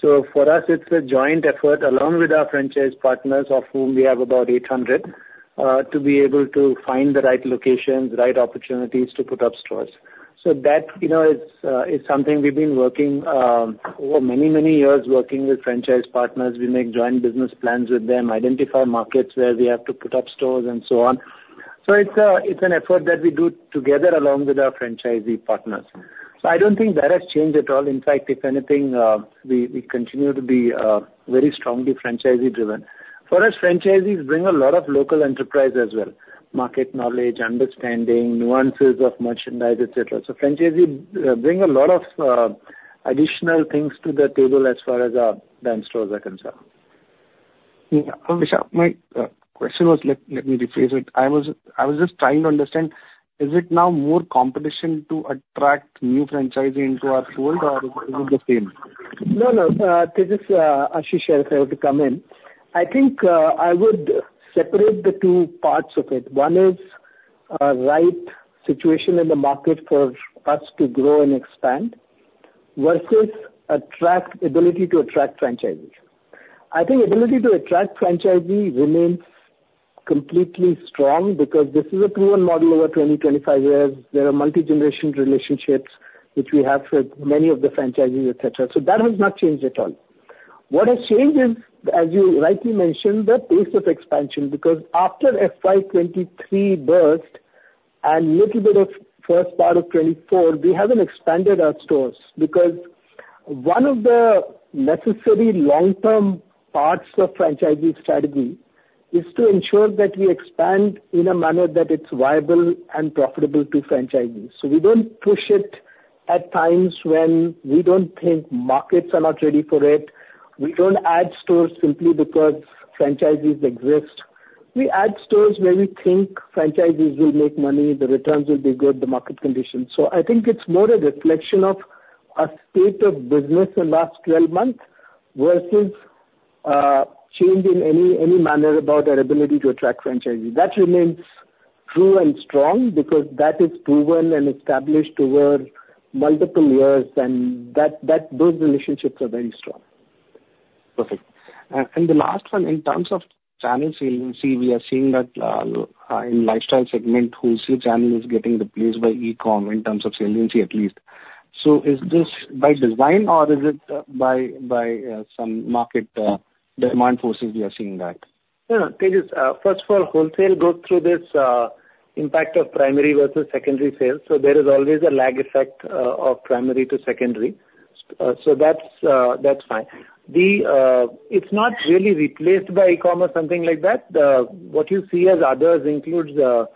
So for us, it's a joint effort, along with our franchise partners, of whom we have about 800, to be able to find the right locations, the right opportunities to put up stores. So that, you know, is something we've been working over many, many years working with franchise partners. We make joint business plans with them, identify markets where we have to put up stores and so on. So it's an effort that we do together along with our franchisee partners. So I don't think that has changed at all. In fact, if anything, we continue to be very strongly franchisee driven. For us, franchisees bring a lot of local enterprise as well, market knowledge, understanding, nuances of merchandise, et cetera. So franchisee bring a lot of additional things to the table as far as our brand stores are concerned. Yeah. Vishak, my question was... Let, let me rephrase it. I was, I was just trying to understand, is it now more competition to attract new franchisee into our fold, or is it the same? No, no. Tejas, Ashish here, if I have to come in. I think, I would separate the two parts of it. One is a right situation in the market for us to grow and expand, versus attract, ability to attract franchisees. I think ability to attract franchisees remains completely strong because this is a proven model over 25 years. There are multi-generation relationships which we have with many of the franchisees, et cetera, so that has not changed at all. What has changed is, as you rightly mentioned, the pace of expansion, because after FY 2023 and little bit of first part of 2024, we haven't expanded our stores. Because one of the necessary long-term parts of franchisee strategy is to ensure that we expand in a manner that it's viable and profitable to franchisees. So we don't push it at times when we don't think markets are not ready for it. We don't add stores simply because franchisees exist. We add stores where we think franchisees will make money, the returns will be good, the market conditions. So I think it's more a reflection of a state of business in last 12 months versus, change in any, any manner about our ability to attract franchisees. That remains true and strong, because that is proven and established over multiple years, and that, that, those relationships are very strong. Perfect. The last one, in terms of channel saliency, we are seeing that, in lifestyle segment, wholesale channel is getting replaced by e-com in terms of saliency, at least. So is this by design or is it by, by, some market, demand forces we are seeing that? No, Tejas, first of all, wholesale, go through this impact of primary versus secondary sales, so there is always a lag effect of primary to secondary. So that's, that's fine. The, it's not really replaced by e-commerce, something like that. The, what you see as others includes a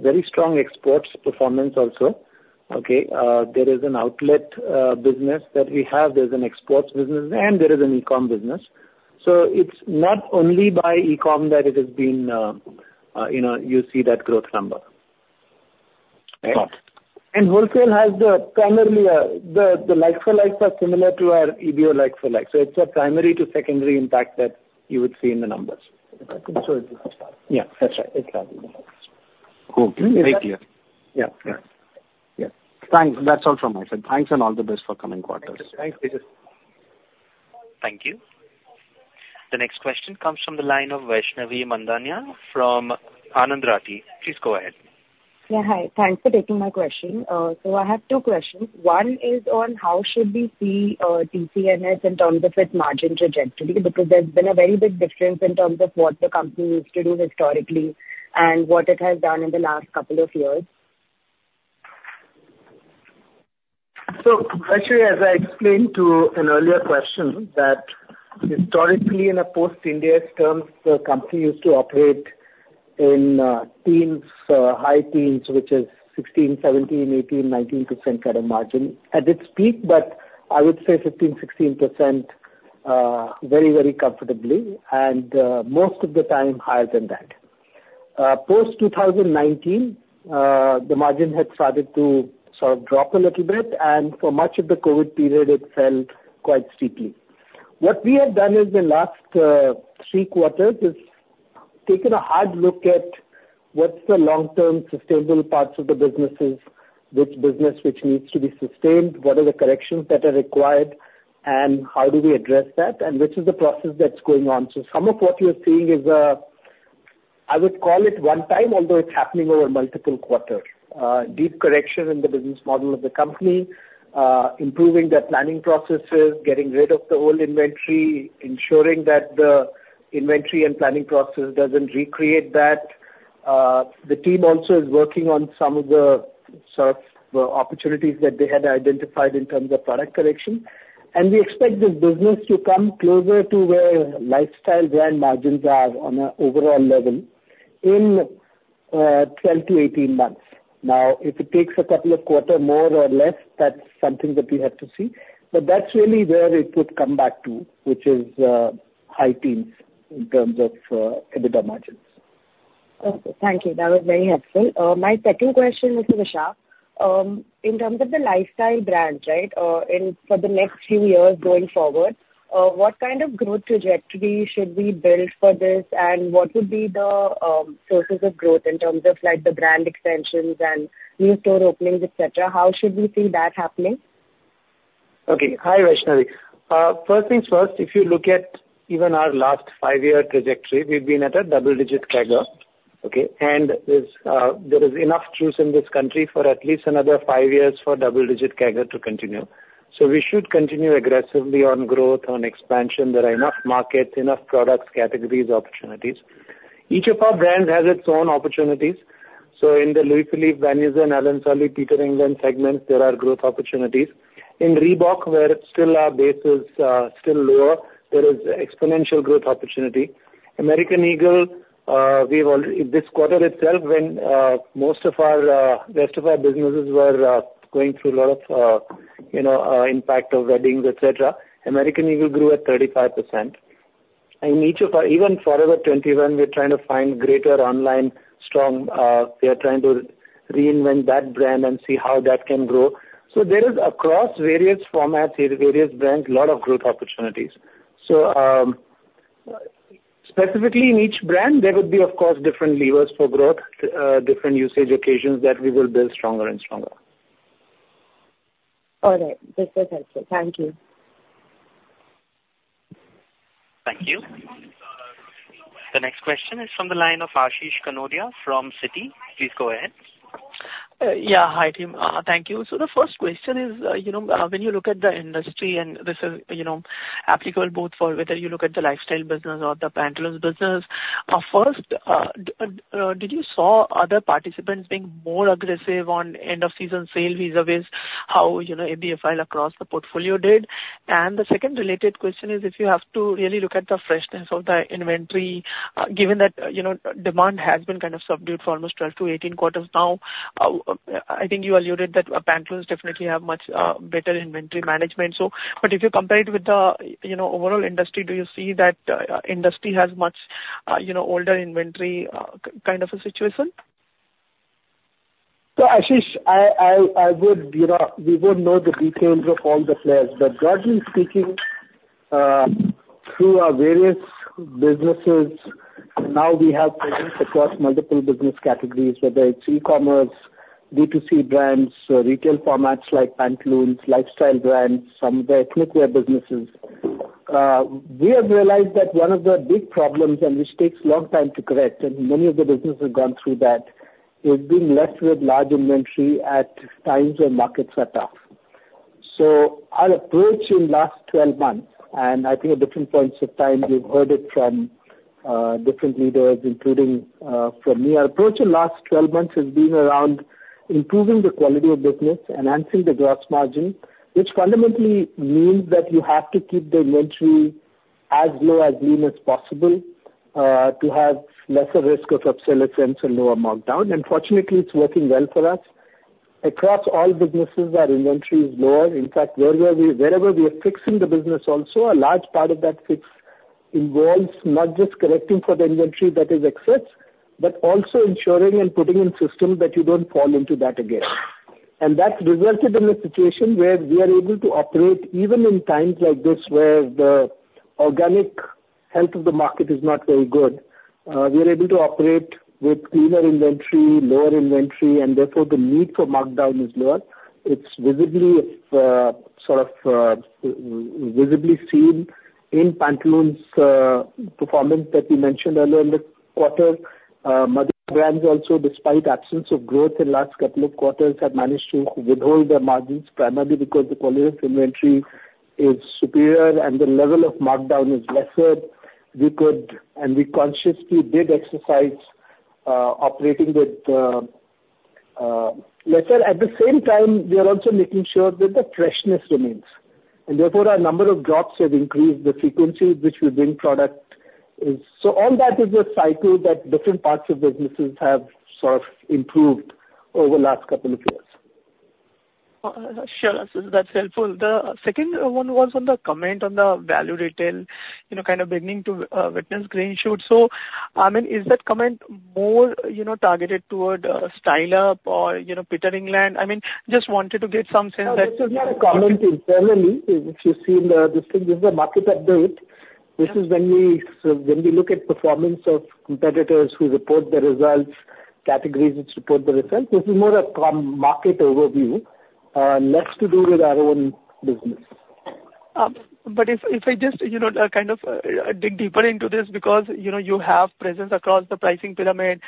very strong exports performance also.... Okay, there is an outlet business that we have, there's an exports business, and there is an e-com business. So it's not only by e-com that it has been, you know, you see that growth number. Right? Got. And wholesale has the primarily, the, the like for likes are similar to our EBO like for like, so it's a primary to secondary impact that you would see in the numbers. So it is yeah. That's right. Exactly. Cool. Very clear. Yeah. Yeah. Yeah. Thanks. That's all from my side. Thanks, and all the best for coming quarters. Thanks, Vijay. Thank you. The next question comes from the line of Vaishnavi Mandhaniya from Anand Rathi. Please go ahead. Yeah, hi. Thanks for taking my question. So I have two questions. One is on how should we see, TCNS in terms of its margin trajectory? Because there's been a very big difference in terms of what the company used to do historically and what it has done in the last couple of years. So actually, as I explained to an earlier question, that historically, in a post Ind AS terms, the company used to operate in teens, high teens, which is 16, 17, 18, 19% kind of margin at its peak, but I would say 15, 16%, very, very comfortably, and most of the time higher than that. Post 2019, the margin had started to sort of drop a little bit, and for much of the COVID period, it fell quite steeply. What we have done in the last three quarters is taken a hard look at what's the long-term sustainable parts of the businesses, which business which needs to be sustained, what are the corrections that are required, and how do we address that, and which is the process that's going on. So some of what you're seeing is, I would call it one time, although it's happening over multiple quarters. Deep correction in the business model of the company, improving the planning processes, getting rid of the old inventory, ensuring that the inventory and planning process doesn't recreate that. The team also is working on some of the sort of opportunities that they had identified in terms of product correction. And we expect this business to come closer to where lifestyle brand margins are on an overall level in 12-18 months. Now, if it takes a couple of quarters, more or less, that's something that we have to see. But that's really where it would come back to, which is high teens in terms of EBITDA margins. Okay, thank you. That was very helpful. My second question is to Vishak. In terms of the lifestyle brands, right, in for the next few years going forward, what kind of growth trajectory should we build for this? And what would be the sources of growth in terms of, like, the brand extensions and new store openings, et cetera? How should we see that happening? Okay. Hi, Vaishnavi. First things first, if you look at even our last five-year trajectory, we've been at a double-digit CAGR, okay? And there's, there is enough juice in this country for at least another five years for double-digit CAGR to continue. So we should continue aggressively on growth, on expansion. There are enough markets, enough products, categories, opportunities. Each of our brands has its own opportunities. So in the Louis Philippe, Van Heusen, Allen Solly, Peter England segments, there are growth opportunities. In Reebok, where still our base is, still lower, there is exponential growth opportunity. American Eagle, we've already... This quarter itself when, most of our, rest of our businesses were, going through a lot of, you know, impact of weddings, et cetera, American Eagle grew at 35%. In each of our—even Forever 21, we're trying to find greater online, strong. We are trying to reinvent that brand and see how that can grow. So there is across various formats, various brands, lot of growth opportunities. So, specifically in each brand, there would be, of course, different levers for growth, different usage occasions that we will build stronger and stronger. All right. This is helpful. Thank you. Thank you. The next question is from the line of Ashish Kanodia from Citi. Please go ahead. Yeah, hi, team. Thank you. So the first question is, you know, when you look at the industry, and this is, you know, applicable both for whether you look at the lifestyle business or the Pantaloons business, first, did you saw other participants being more aggressive on end of season sale vis-a-vis how, you know, ABFRL across the portfolio did? And the second related question is, if you have to really look at the freshness of the inventory, given that, you know, demand has been kind of subdued for almost 12-18 quarters now, I think you alluded that, pantaloons definitely have much better inventory management. So, but if you compare it with the, you know, overall industry, do you see that, industry has much, you know, older inventory, kind of a situation? So, Ashish, I would, you know, we won't know the details of all the players. But broadly speaking, through our various businesses, now we have presence across multiple business categories, whether it's e-commerce, B2C brands, retail formats like Pantaloons, lifestyle brands, some of the ethnic wear businesses. We have realized that one of the big problems, and which takes a long time to correct, and many of the businesses have gone through that, is being left with large inventory at times when markets are tough. So our approach in last 12 months, and I think at different points of time, you've heard it from, different leaders, including, from me. Our approach in last 12 months has been around improving the quality of business, enhancing the gross margin, which fundamentally means that you have to keep the inventory as low, as lean as possible.... To have lesser risk of obsolescence and lower markdown, and fortunately, it's working well for us. Across all businesses, our inventory is lower. In fact, wherever we are fixing the business also, a large part of that fix involves not just correcting for the inventory that is excess, but also ensuring and putting in systems that you don't fall into that again. And that's resulted in a situation where we are able to operate even in times like this, where the organic health of the market is not very good. We are able to operate with cleaner inventory, lower inventory, and therefore, the need for markdown is lower. It's visibly seen in Pantaloons performance that we mentioned earlier in the quarter. Brands also, despite absence of growth in last couple of quarters, have managed to withhold their margins, primarily because the quality of inventory is superior and the level of markdown is lesser. Wecould, and we consciously did exercise, operating with, lesser. At the same time, we are also making sure that the freshness remains, and therefore, a number of drops have increased the frequency with which we bring product in. So all that is a cycle that different parts of businesses have sort of improved over the last couple of years. Sure, that's helpful. The second one was on the comment on the value retail, you know, kind of beginning to witness green shoots. So, I mean, is that comment more, you know, targeted toward Style Up or, you know, Peter England? I mean, just wanted to get some sense that- This is not a comment internally, if you've seen this thing. This is a market update. This is when we, so when we look at performance of competitors who report the results, categories which report the results, this is more a market overview, less to do with our own business. But if I just, you know, kind of dig deeper into this, because, you know, you have presence across the pricing pyramid.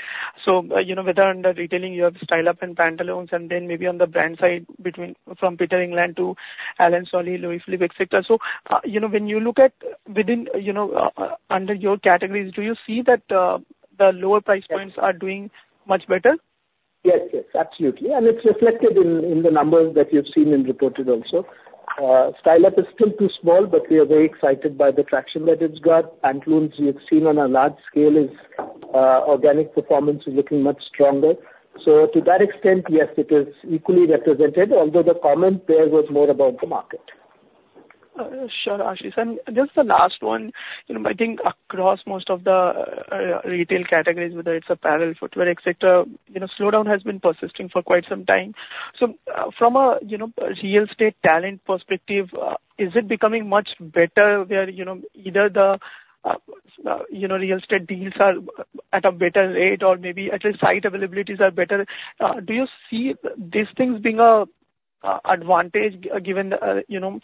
So, you know, whether under retailing you have Style Up and Pantaloons, and then maybe on the brand side, between from Peter England to Allen Solly, Louis Philippe, et cetera. So, you know, when you look at within, you know, under your categories, do you see that the lower price points are doing much better? Yes, yes, absolutely. And it's reflected in the numbers that you've seen and reported also. Style Up is still too small, but we are very excited by the traction that it's got. Pantaloons, you have seen on a large scale, is organic performance is looking much stronger. So to that extent, yes, it is equally represented, although the comment there was more about the market. Sure, Ashish. Just the last one, you know, I think across most of the retail categories, whether it's apparel, footwear, et cetera, you know, slowdown has been persisting for quite some time. So, from a, you know, real estate talent perspective, is it becoming much better where, you know, either the, you know, real estate deals are at a better rate or maybe at least site availabilities are better? Do you see these things being a advantage, given, you know,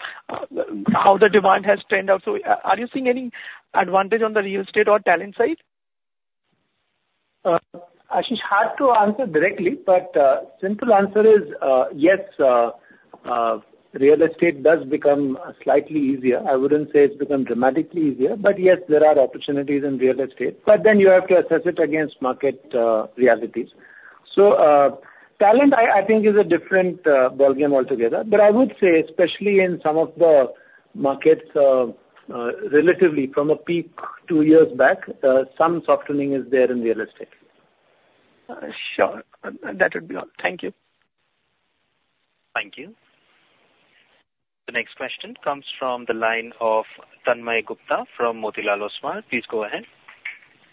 how the demand has trended out? So are you seeing any advantage on the real estate or talent side? Ashish, hard to answer directly, but, simple answer is, yes, real estate does become slightly easier. I wouldn't say it's become dramatically easier, but yes, there are opportunities in real estate. But then you have to assess it against market realities. So, talent, I think is a different ballgame altogether. But I would say, especially in some of the markets, relatively from a peak two years back, some softening is there in real estate. Sure. That would be all. Thank you. Thank you. The next question comes from the line of Tanmay Gupta from Motilal Oswal. Please go ahead.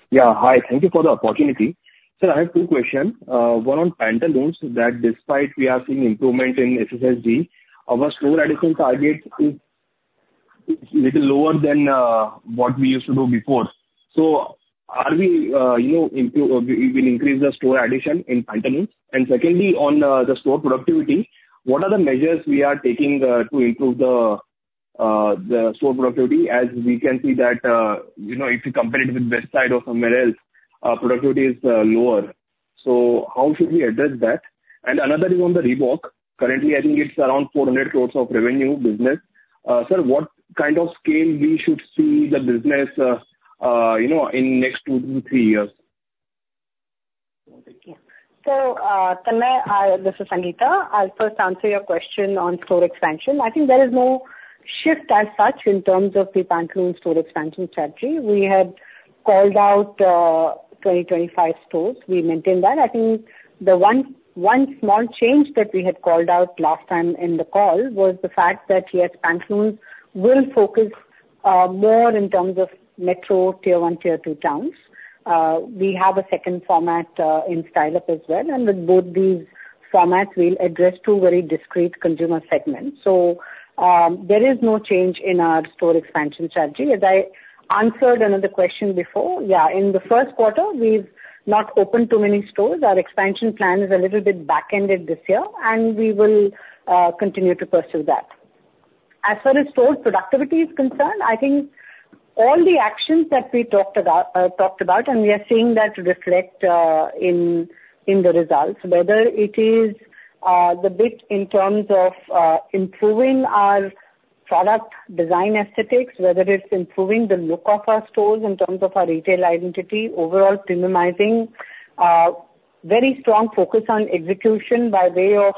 Yeah, hi. Thank you for the opportunity. Sir, I have two questions. One on Pantaloons, that despite we are seeing improvement in SSG, our store addition target is little lower than what we used to do before. So are we, you know, improve. We increase the store addition in Pantaloons? And secondly, on the store productivity, what are the measures we are taking to improve the store productivity? As we can see that, you know, if you compare it with Westside or somewhere else, productivity is lower. So how should we address that? And another is on the Reebok. Currently, I think it's around 400 crore of revenue business. Sir, what kind of scale we should see the business, you know, in next two to three years? Tanmay, this is Sangeeta. I'll first answer your question on store expansion. I think there is no shift as such in terms of the Pantaloons store expansion strategy. We had called out 25 stores. We maintain that. I think the one small change that we had called out last time in the call was the fact that, yes, Pantaloons will focus more in terms of metro, tier one, tier two towns. We have a second format in Style Up as well, and with both these formats, we'll address two very discrete consumer segments. So, there is no change in our store expansion strategy. As I answered another question before, yeah, in the first quarter, we've not opened too many stores. Our expansion plan is a little bit backended this year, and we will continue to pursue that. As far as store productivity is concerned, I think all the actions that we talked about, and we are seeing that reflect in the results. Whether it is the bit in terms of improving our product design aesthetics, whether it's improving the look of our stores in terms of our retail identity, overall premiumizing. Very strong focus on execution by way of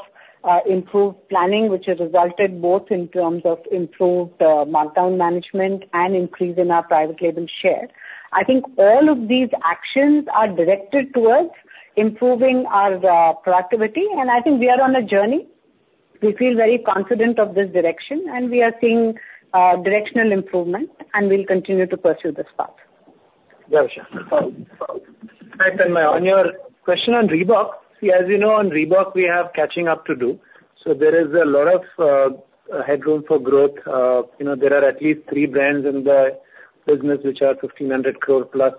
improved planning, which has resulted both in terms of improved markdown management and increase in our private label share. I think all of these actions are directed towards improving our productivity, and I think we are on a journey. We feel very confident of this direction, and we are seeing directional improvement, and we'll continue to pursue this path. Got you. Hi, Tanmay. On your question on Reebok, as you know, on Reebok, we have catching up to do. So there is a lot of headroom for growth. You know, there are at least three brands in the business which are 1,500 crore plus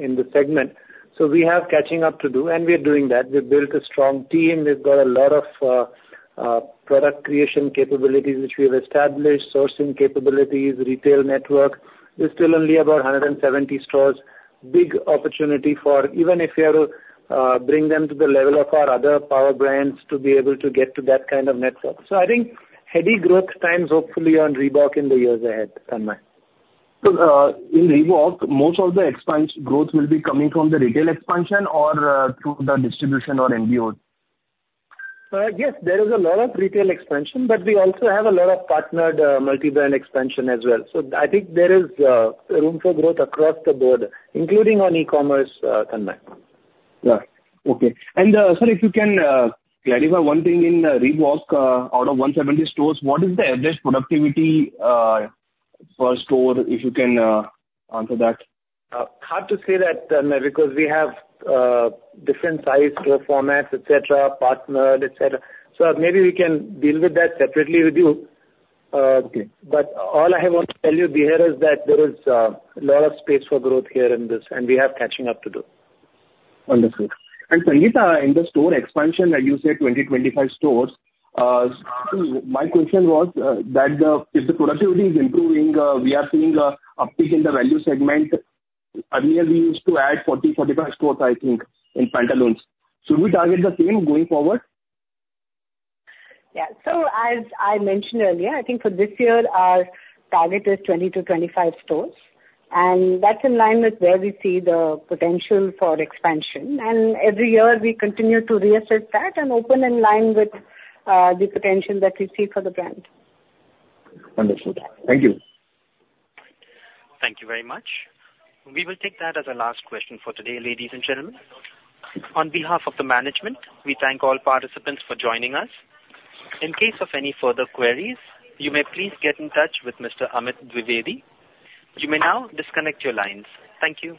in the segment. So we have catching up to do, and we are doing that. We've built a strong team. We've got a lot of product creation capabilities, which we have established, sourcing capabilities, retail network. There's still only about 170 stores. Big opportunity for even if we are to bring them to the level of our other power brands to be able to get to that kind of network. So I think heady growth times, hopefully, on Reebok in the years ahead, Tanmay. So, in Reebok, most of the expense growth will be coming from the retail expansion or through the distribution or MBO? Yes, there is a lot of retail expansion, but we also have a lot of partnered multi-brand expansion as well. So I think there is room for growth across the board, including on e-commerce, Tanmay. Yeah. Okay. And, sir, if you can clarify one thing in Reebok, out of 170 stores, what is the average productivity per store, if you can answer that? Hard to say that, Tanmay, because we have different size store formats, et cetera, partnered, et cetera. So maybe we can deal with that separately with you. Okay. - but all I want to tell you here is that there is a lot of space for growth here in this, and we have catching up to do. Understood. And, Sangeeta, in the store expansion, you said 20-25 stores. My question was that if the productivity is improving, we are seeing a uptick in the value segment. Earlier, we used to add 40-45 stores, I think, in Pantaloons. Should we target the same going forward? Yeah. So as I mentioned earlier, I think for this year, our target is 20-25 stores, and that's in line with where we see the potential for expansion. Every year, we continue to reassess that and open in line with the potential that we see for the brand. Understood. Thank you. Thank you very much. We will take that as our last question for today, ladies and gentlemen. On behalf of the management, we thank all participants for joining us. In case of any further queries, you may please get in touch with Mr. Amit Dwivedi. You may now disconnect your lines. Thank you.